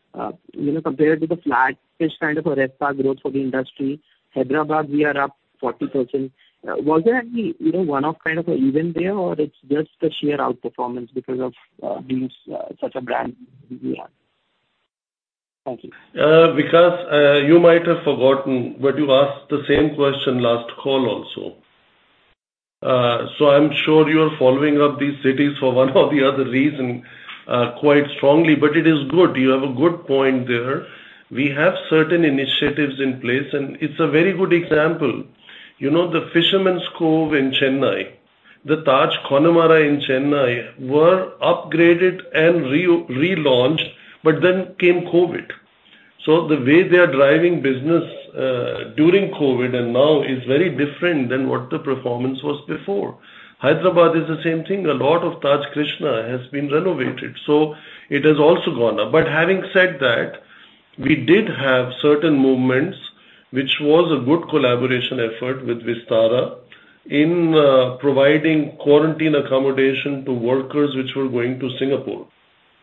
you know, compared to the flat-ish kind of a RevPAR growth for the industry? Hyderabad we are up 40%. Was there any, you know, one-off kind of a event there, or it's just the sheer outperformance because of such a brand we have? Thank you. Vikas, you might have forgotten, but you asked the same question last call also. I'm sure you are following up these cities for one or the other reason, quite strongly. It is good. You have a good point there. We have certain initiatives in place, and it's a very good example. You know, the Fisherman's Cove in Chennai, the Taj Connemara in Chennai were upgraded and relaunched, but then came COVID. The way they are driving business, during COVID and now is very different than what the performance was before. Hyderabad is the same thing. A lot of Taj Krishna has been renovated, so it has also gone up. Having said that, we did have certain movements, which was a good collaboration effort with Vistara in providing quarantine accommodation to workers which were going to Singapore.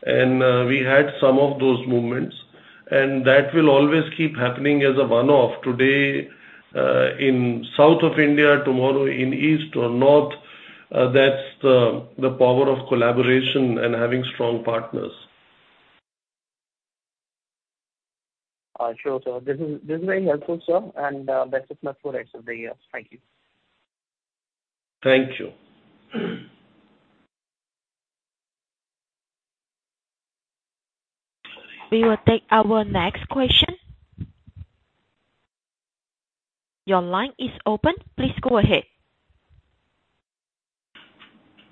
We had some of those movements and that will always keep happening as a one-off. Today, in south of India, tomorrow in east or north, that's the power of collaboration and having strong partners. Sure, sir. This is very helpful, sir. Best of luck for rest of the year. Thank you. Thank you. We will take our next question. Your line is open. Please go ahead.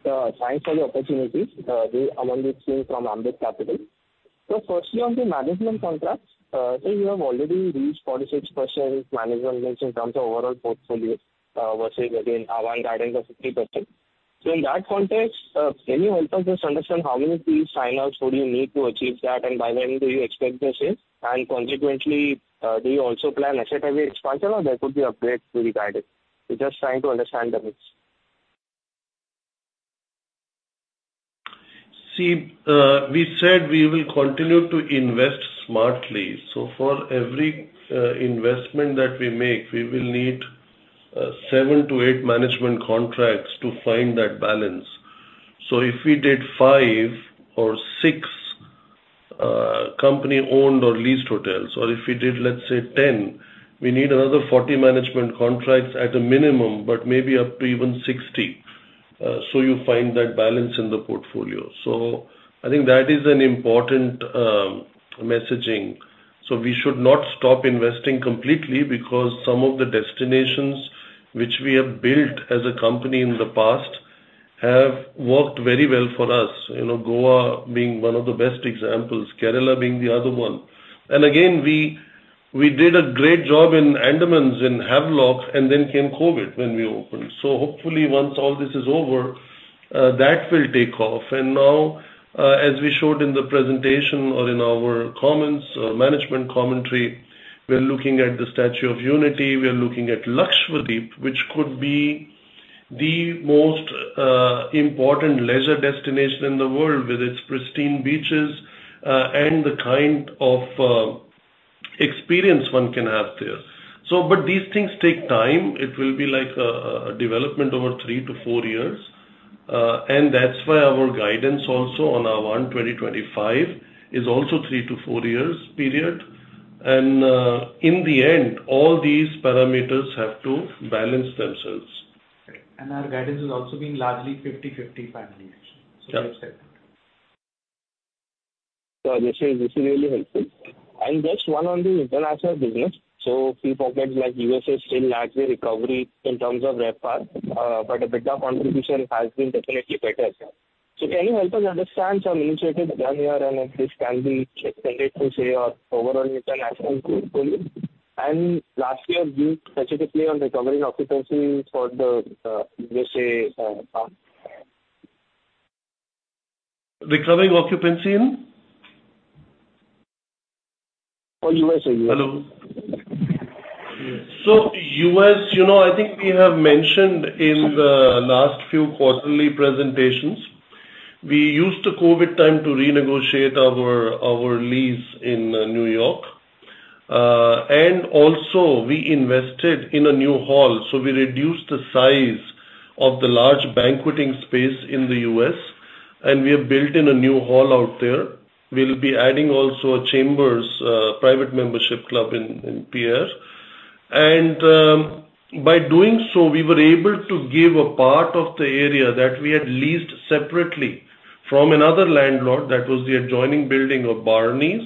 Thanks for the opportunity. This is Amandeep Singh from Ambit Capital. Firstly, on the management contracts, you have already reached 46% management mix in terms of overall portfolio, versus again our guidance of 50%. In that context, can you help us just understand how many fee sign-ups would you need to achieve that, and by when do you expect the same? Consequently, do you also plan asset-heavy expansion or there could be upgrades to be guided? We're just trying to understand the mix. See, we said we will continue to invest smartly. For every investment that we make, we will need seven to eight management contracts to find that balance. If we did five or six company-owned or leased hotels, or if we did, let's say 10, we need another 40 management contracts at a minimum, but maybe up to even 60, so you find that balance in the portfolio. I think that is an important messaging. We should not stop investing completely because some of the destinations which we have built as a company in the past have worked very well for us. You know, Goa being one of the best examples, Kerala being the other one. Again, we did a great job in Andamans, in Havelock, and then came COVID when we opened. Hopefully once all this is over, that will take off. Now, as we showed in the presentation or in our comments, management commentary, we are looking at the Statue of Unity, we are looking at Lakshadweep, which could be the most important leisure destination in the world with its pristine beaches, and the kind of experience one can have there. These things take time. It will be like a development over three to four years. That's why our guidance also on our Ahvaan 2025 is also three to four years period. In the end, all these parameters have to balance themselves. Our guidance is also being largely 50/50 finally actually. Yeah. Like I said. Sir, this is really helpful. Just one on the international business. If you look at like U.S.A still largely recovery in terms of RevPAR, but EBITDA contribution has been definitely better, sir. Can you help us understand some initiatives done here and if this can be extended to say your overall international portfolio? Lastly, your view specifically on recovering occupancy for the U.S.A part? Recovering occupancy in? For U.S.A. Hello. U.S., you know, I think we have mentioned in the last few quarterly presentations, we used the COVID time to renegotiate our lease in New York. And also we invested in a new hall. We reduced the size of the large banqueting space in the U.S., and we have built a new hall out there. We'll be adding also a Chambers private membership club in Pierre. By doing so, we were able to give a part of the area that we had leased separately from another landlord that was the adjoining building of Barneys.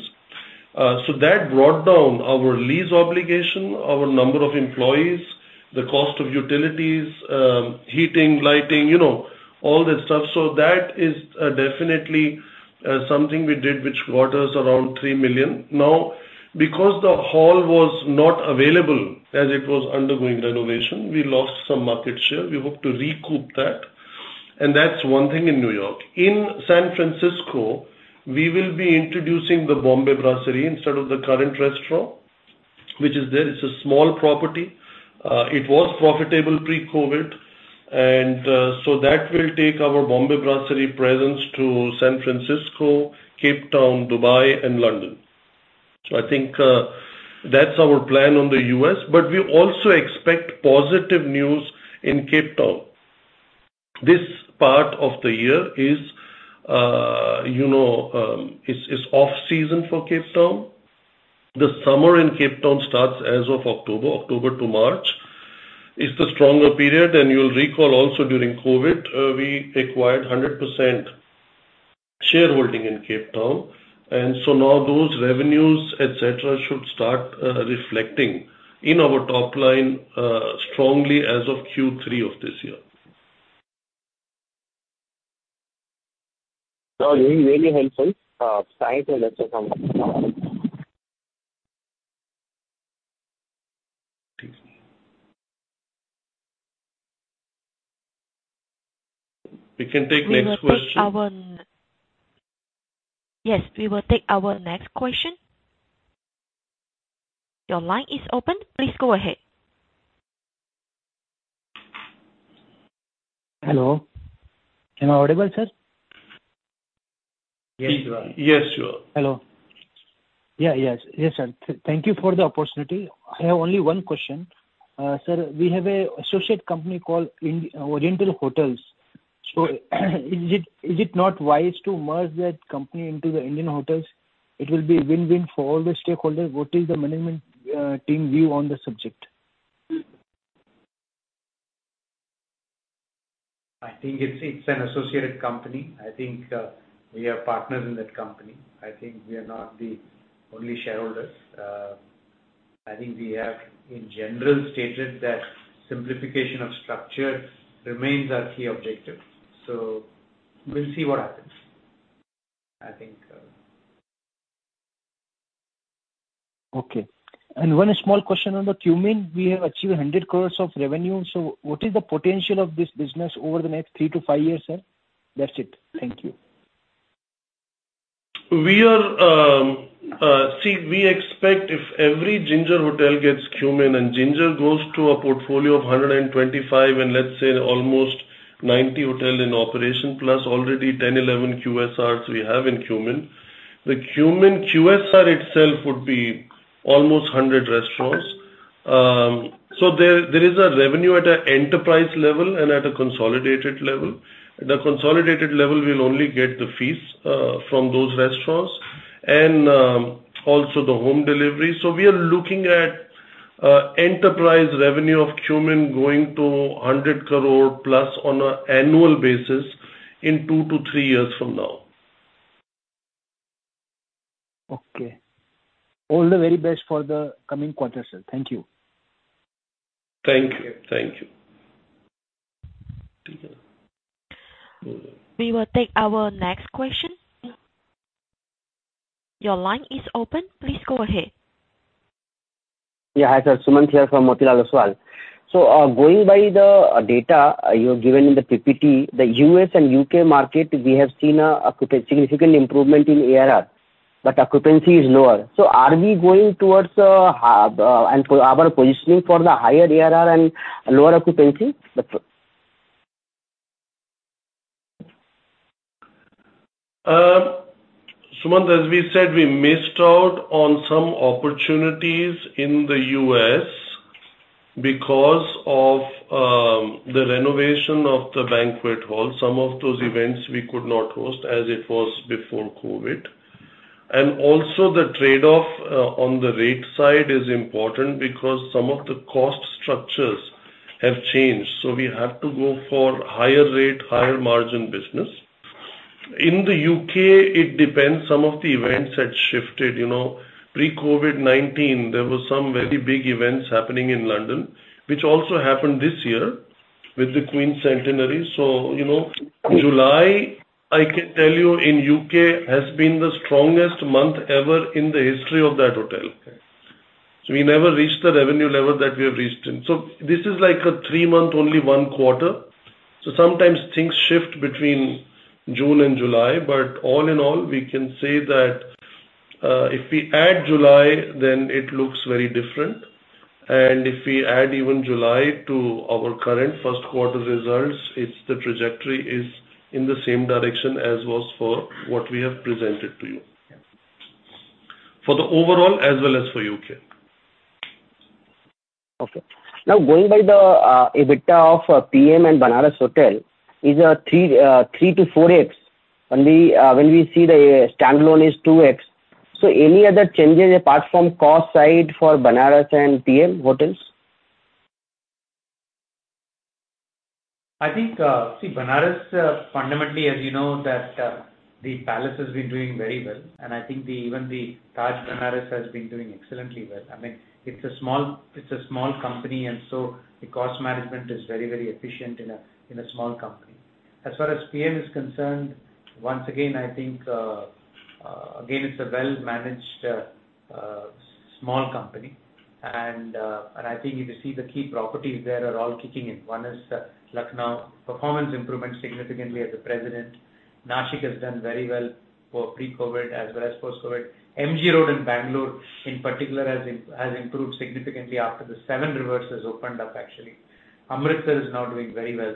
That brought down our lease obligation, our number of employees, the cost of utilities, heating, lighting, you know, all that stuff. That is definitely something we did, which got us around $3 million. Now, because the hall was not available as it was undergoing renovation, we lost some market share. We hope to recoup that, and that's one thing in New York. In San Francisco, we will be introducing the Bombay Brasserie instead of the current restaurant which is there. It's a small property. It was profitable pre-COVID. That will take our Bombay Brasserie presence to San Francisco, Cape Town, Dubai and London. I think that's our plan on the U.S., but we also expect positive news in Cape Town. This part of the year is off-season for Cape Town. The summer in Cape Town starts as of October. October to March is the stronger period. You'll recall also during COVID we acquired 100% shareholding in Cape Town. Now those revenues, et cetera, should start reflecting in our top line strongly as of Q3 of this year. No, really helpful. Thanks a lot, sir. We can take next question. Yes, we will take our next question. Your line is open. Please go ahead. Hello. Am I audible, sir? Yes. Yes, sure. Yes, sir. Thank you for the opportunity. I have only one question. Sir, we have an associate company called Oriental Hotels. Is it not wise to merge that company into the Indian Hotels? It will be win-win for all the stakeholders. What is the management team view on this subject? I think it's an associated company. I think we are partners in that company. I think we are not the only shareholders. I think we have in general stated that simplification of structure remains our key objective. We'll see what happens, I think. Okay. One small question on the Qmin. We have achieved 100 crore of revenue. What is the potential of this business over the next three to five years, sir? That's it. Thank you. We expect if every Ginger hotel gets Qmin, and Ginger goes to a portfolio of 125, and let's say almost 90 hotels in operation, plus already 10, 11 QSRs we have in Qmin. The Qmin QSR itself would be almost 100 restaurants. There is a revenue at an Enterprise level and at a Consolidated level. The Consolidated level will only get the fees from those restaurants and also the home delivery. We are looking at Enterprise revenue of Qmin going to 100 crore+ on an annual basis in two to three years from now. Okay. All the very best for the coming quarter, sir. Thank you. Thank you. Thank you. We will take our next question. Your line is open. Please go ahead. Hi, sir. Sumant here from Motilal Oswal. Going by the data you have given in the PPT, the U.S. and U.K. market, we have seen a significant improvement in ARR, but occupancy is lower. Are we going towards higher ARR and lower occupancy, and our positioning for the higher ARR and lower occupancy? Sumant, as we said, we missed out on some opportunities in the U.S. because of the renovation of the banquet hall. Some of those events we could not host as it was before COVID. Also the trade-off on the rate side is important because some of the cost structures have changed, so we have to go for higher rate, higher margin business. In the U.K., it depends. Some of the events had shifted, you know. Pre-COVID-19, there were some very big events happening in London, which also happened this year with the Queen's centenary. You know, July, I can tell you, in U.K. has been the strongest month ever in the history of that hotel. We never reached the revenue level that we have reached in. This is like a three-month, only one quarter. Sometimes things shift between June and July. All in all, we can say that if we add July, then it looks very different. If we add even July to our current first quarter results, it's the trajectory is in the same direction as was for what we have presented to you. For the overall as well as for U.K. Okay. Now, going by the EBITDA of Piem and Benares hotel is 3x-4x. When we see the Standalone is 2x. Any other changes apart from cost side for Benares and Piem Hotels? I think see Benares fundamentally, as you know, that the palace has been doing very well, and I think even the Taj Ganges has been doing excellently well. I mean, it's a small company, and so the cost management is very, very efficient in a small company. As far as Piem is concerned, once again, I think again, it's a well-managed small company and I think if you see the key properties there are all kicking in. One is Lucknow. Performance improvement significantly at the President. Nashik has done very well for pre-COVID as well as post-COVID. MG Road in Bangalore, in particular, has improved significantly after the Seven Rivers has opened up, actually. Amritsar is now doing very well.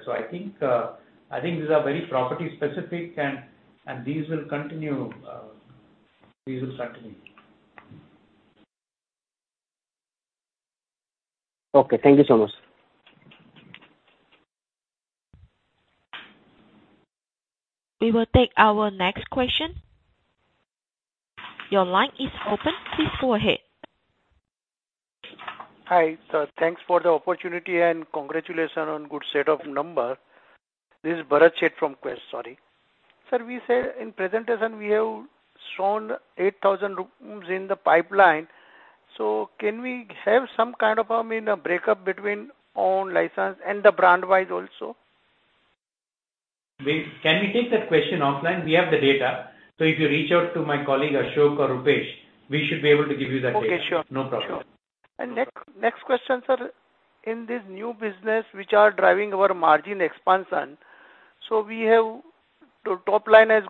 I think these are very property specific and these will continue. Okay, thank you so much. We will take our next question. Your line is open. Please go ahead. Hi, sir. Thanks for the opportunity and congratulations on good set of numbers. This is Bharat Sheth from Quest. Sorry. Sir, we say in presentation we have shown 8,000 rooms in the pipeline. Can we have some kind of, you know, breakdown between owned, leased and the brand-wise also? Can we take that question offline? We have the data. If you reach out to my colleague, Ashok or Rupesh, we should be able to give you that data. Okay, sure. No problem. Sure. Next question, sir. In this new business which are driving our margin expansion, we have the top line has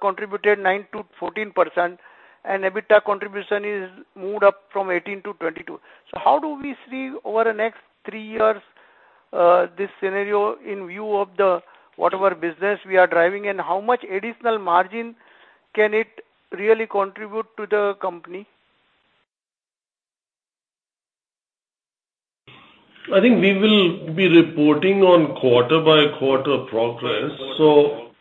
contributed 9%-14% and EBITDA contribution is moved up from 18%-22%. How do we see over the next three years this scenario in view of the whatever business we are driving, and how much additional margin can it really contribute to the company? I think we will be reporting on quarter-by-quarter progress. I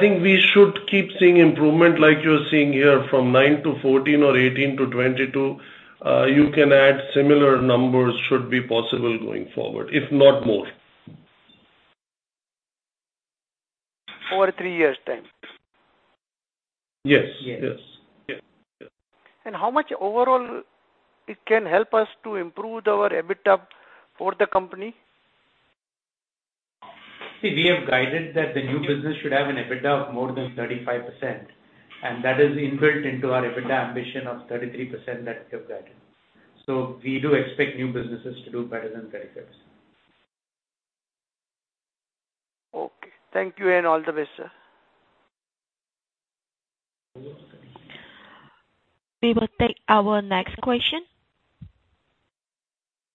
think we should keep seeing improvement like you're seeing here from 9%-14% or 18%-22%. You can add similar numbers should be possible going forward, if not more. Over three years' time? Yes. How much overall it can help us to improve our EBITDA for the company? See, we have guided that the new business should have an EBITDA of more than 35%, and that is inbuilt into our EBITDA ambition of 33% that we have guided. We do expect new businesses to do better than 33%. Okay. Thank you and all the best, sir. We will take our next question.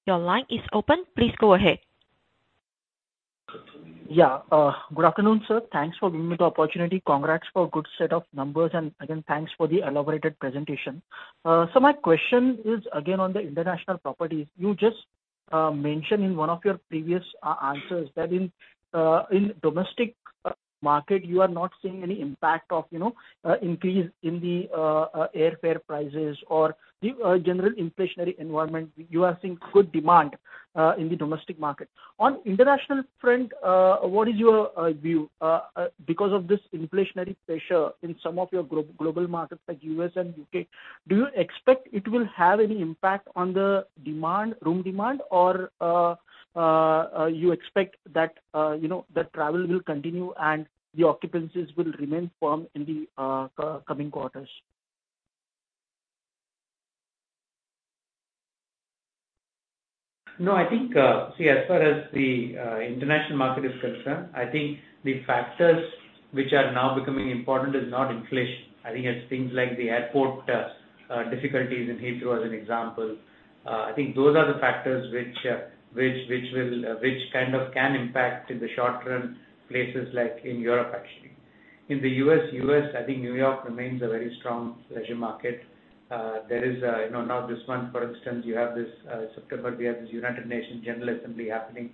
Your line is open. Please go ahead. Yeah. Good afternoon, sir. Thanks for giving me the opportunity. Congrats for good set of numbers and again, thanks for the elaborated presentation. My question is again on the international properties. You just mentioned in one of your previous answers that in domestic market you are not seeing any impact of, you know, increase in the airfare prices or the general inflationary environment. You are seeing good demand in the domestic market. On international front, what is your view? Because of this inflationary pressure in some of your global markets like U.S. and U.K., do you expect it will have any impact on the demand, room demand? Or you expect that, you know, the travel will continue and the occupancies will remain firm in the coming quarters? No, I think, see, as far as the international market is concerned, I think the factors which are now becoming important is not inflation. I think it's things like the airport difficulties in Heathrow as an example. I think those are the factors which kind of can impact in the short term places like in Europe, actually. In the U.S., I think New York remains a very strong leisure market. There is, you know, now this month, for instance, you have this September we have this United Nations General Assembly happening.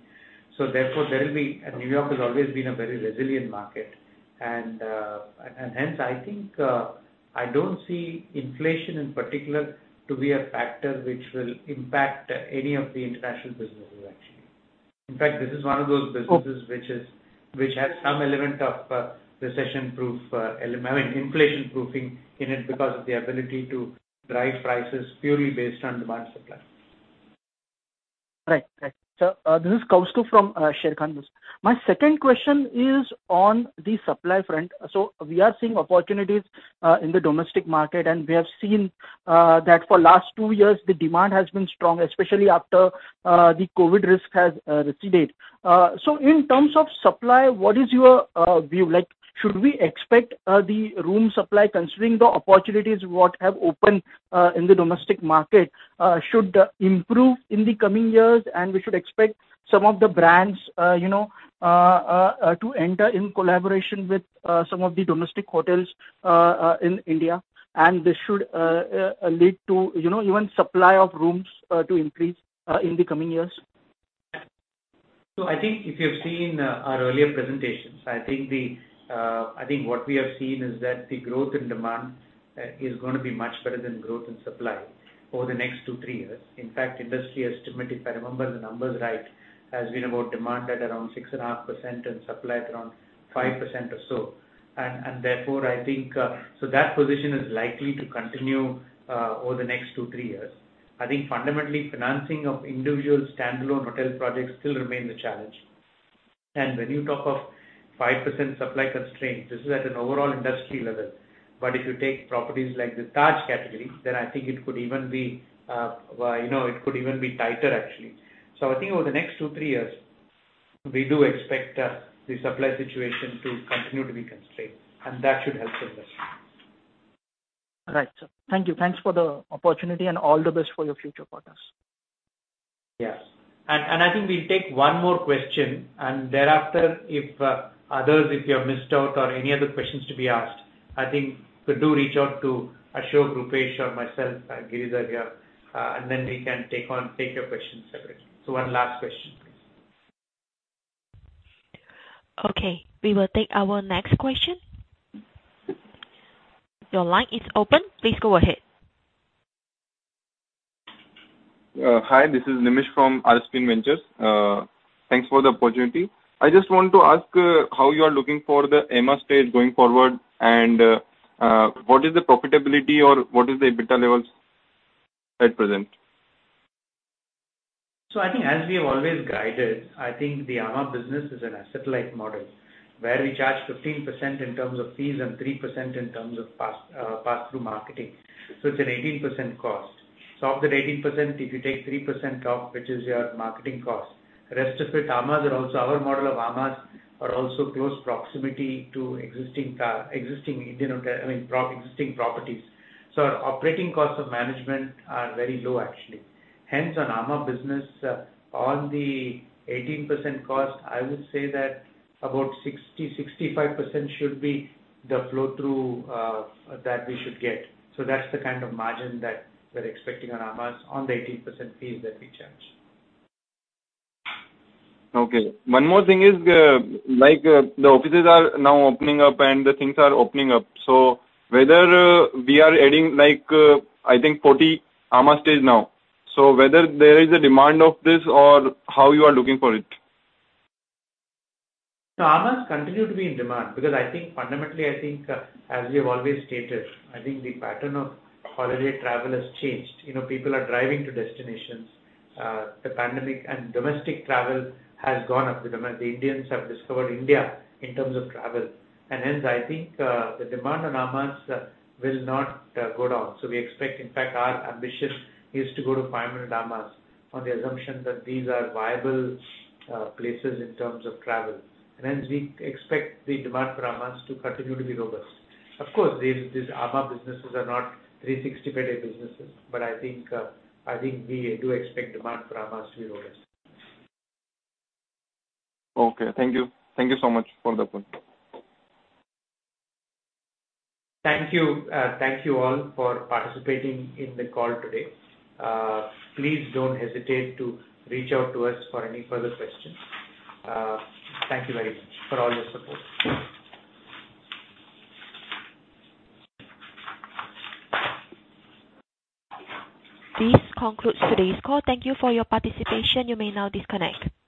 So therefore there will be. New York has always been a very resilient market and hence I think, I don't see inflation in particular to be a factor which will impact any of the international businesses actually. In fact, this is one of those businesses. Okay. which has some element of recession-proof, I mean, inflation-proofing in it because of the ability to drive prices purely based on demand supply. This is Kaustubh from Sharekhan. My second question is on the supply front. We are seeing opportunities in the domestic market, and we have seen that for last two years the demand has been strong, especially after the COVID risk has receded. In terms of supply, what is your view? Like, should we expect the room supply considering the opportunities what have opened in the domestic market should improve in the coming years, and we should expect some of the brands you know to enter in collaboration with some of the domestic hotels in India, and this should lead to you know even supply of rooms to increase in the coming years? I think if you've seen our earlier presentations, I think what we have seen is that the growth in demand is gonna be much better than growth in supply over the next two, three years. In fact, industry estimate, if I remember the numbers right, has been about demand at around 6.5% and supply at around 5% or so. Therefore I think that position is likely to continue over the next tow, three years. I think fundamentally, financing of individual standalone hotel projects still remain a challenge. When you talk of 5% supply constraint, this is at an overall industry level. But if you take properties like the Taj category, then I think it could even be you know, it could even be tighter actually. I think over the next two, three years, we do expect the supply situation to continue to be constrained, and that should help the industry. Right. Thank you. Thanks for the opportunity and all the best for your future quarters. Yes. I think we'll take one more question, and thereafter if others if you have missed out or any other questions to be asked, I think could reach out to Ashok, Rupesh or myself, Giridhar here, and then we can take your questions separately. One last question, please. Okay. We will take our next question. Your line is open. Please go ahead. Hi, this is Nimish from RSPN Ventures. Thanks for the opportunity. I just want to ask how you are looking for the amã Stays going forward, and what is the profitability or what is the EBITDA levels at present? I think as we have always guided, I think the amã business is an asset-light model, where we charge 15% in terms of fees and 3% in terms of pass-through marketing. It's an 18% cost. Of that 18%, if you take 3% off, which is your marketing cost, rest of it amã are also our model of amã are also close proximity to existing properties. I mean, existing properties. Our operating costs of management are very low actually. Hence on amã business, on the 18% cost, I would say that about 60%, 65% should be the flow through that we should get. That's the kind of margin that we're expecting on amã on the 18% fees that we charge. One more thing is, like, the offices are now opening up and the things are opening up. Whether we are adding like, I think 40 amã Stays now. Whether there is a demand of this or how you are looking for it? No, amãs continue to be in demand because I think fundamentally, as we have always stated, I think the pattern of holiday travel has changed. You know, people are driving to destinations. The pandemic and domestic travel has gone up. The Indians have discovered India in terms of travel. Hence I think the demand on amãs will not go down. We expect, in fact, our ambition is to go to 500 amãs on the assumption that these are viable places in terms of travel. Hence we expect the demand for amãs to continue to be robust. Of course, these amã businesses are not 365-day businesses, but I think we do expect demand for amãs to be robust. Okay. Thank you. Thank you so much for the call. Thank you. Thank you all for participating in the call today. Please don't hesitate to reach out to us for any further questions. Thank you very much for all your support. This concludes today's call. Thank you for your participation. You may now disconnect.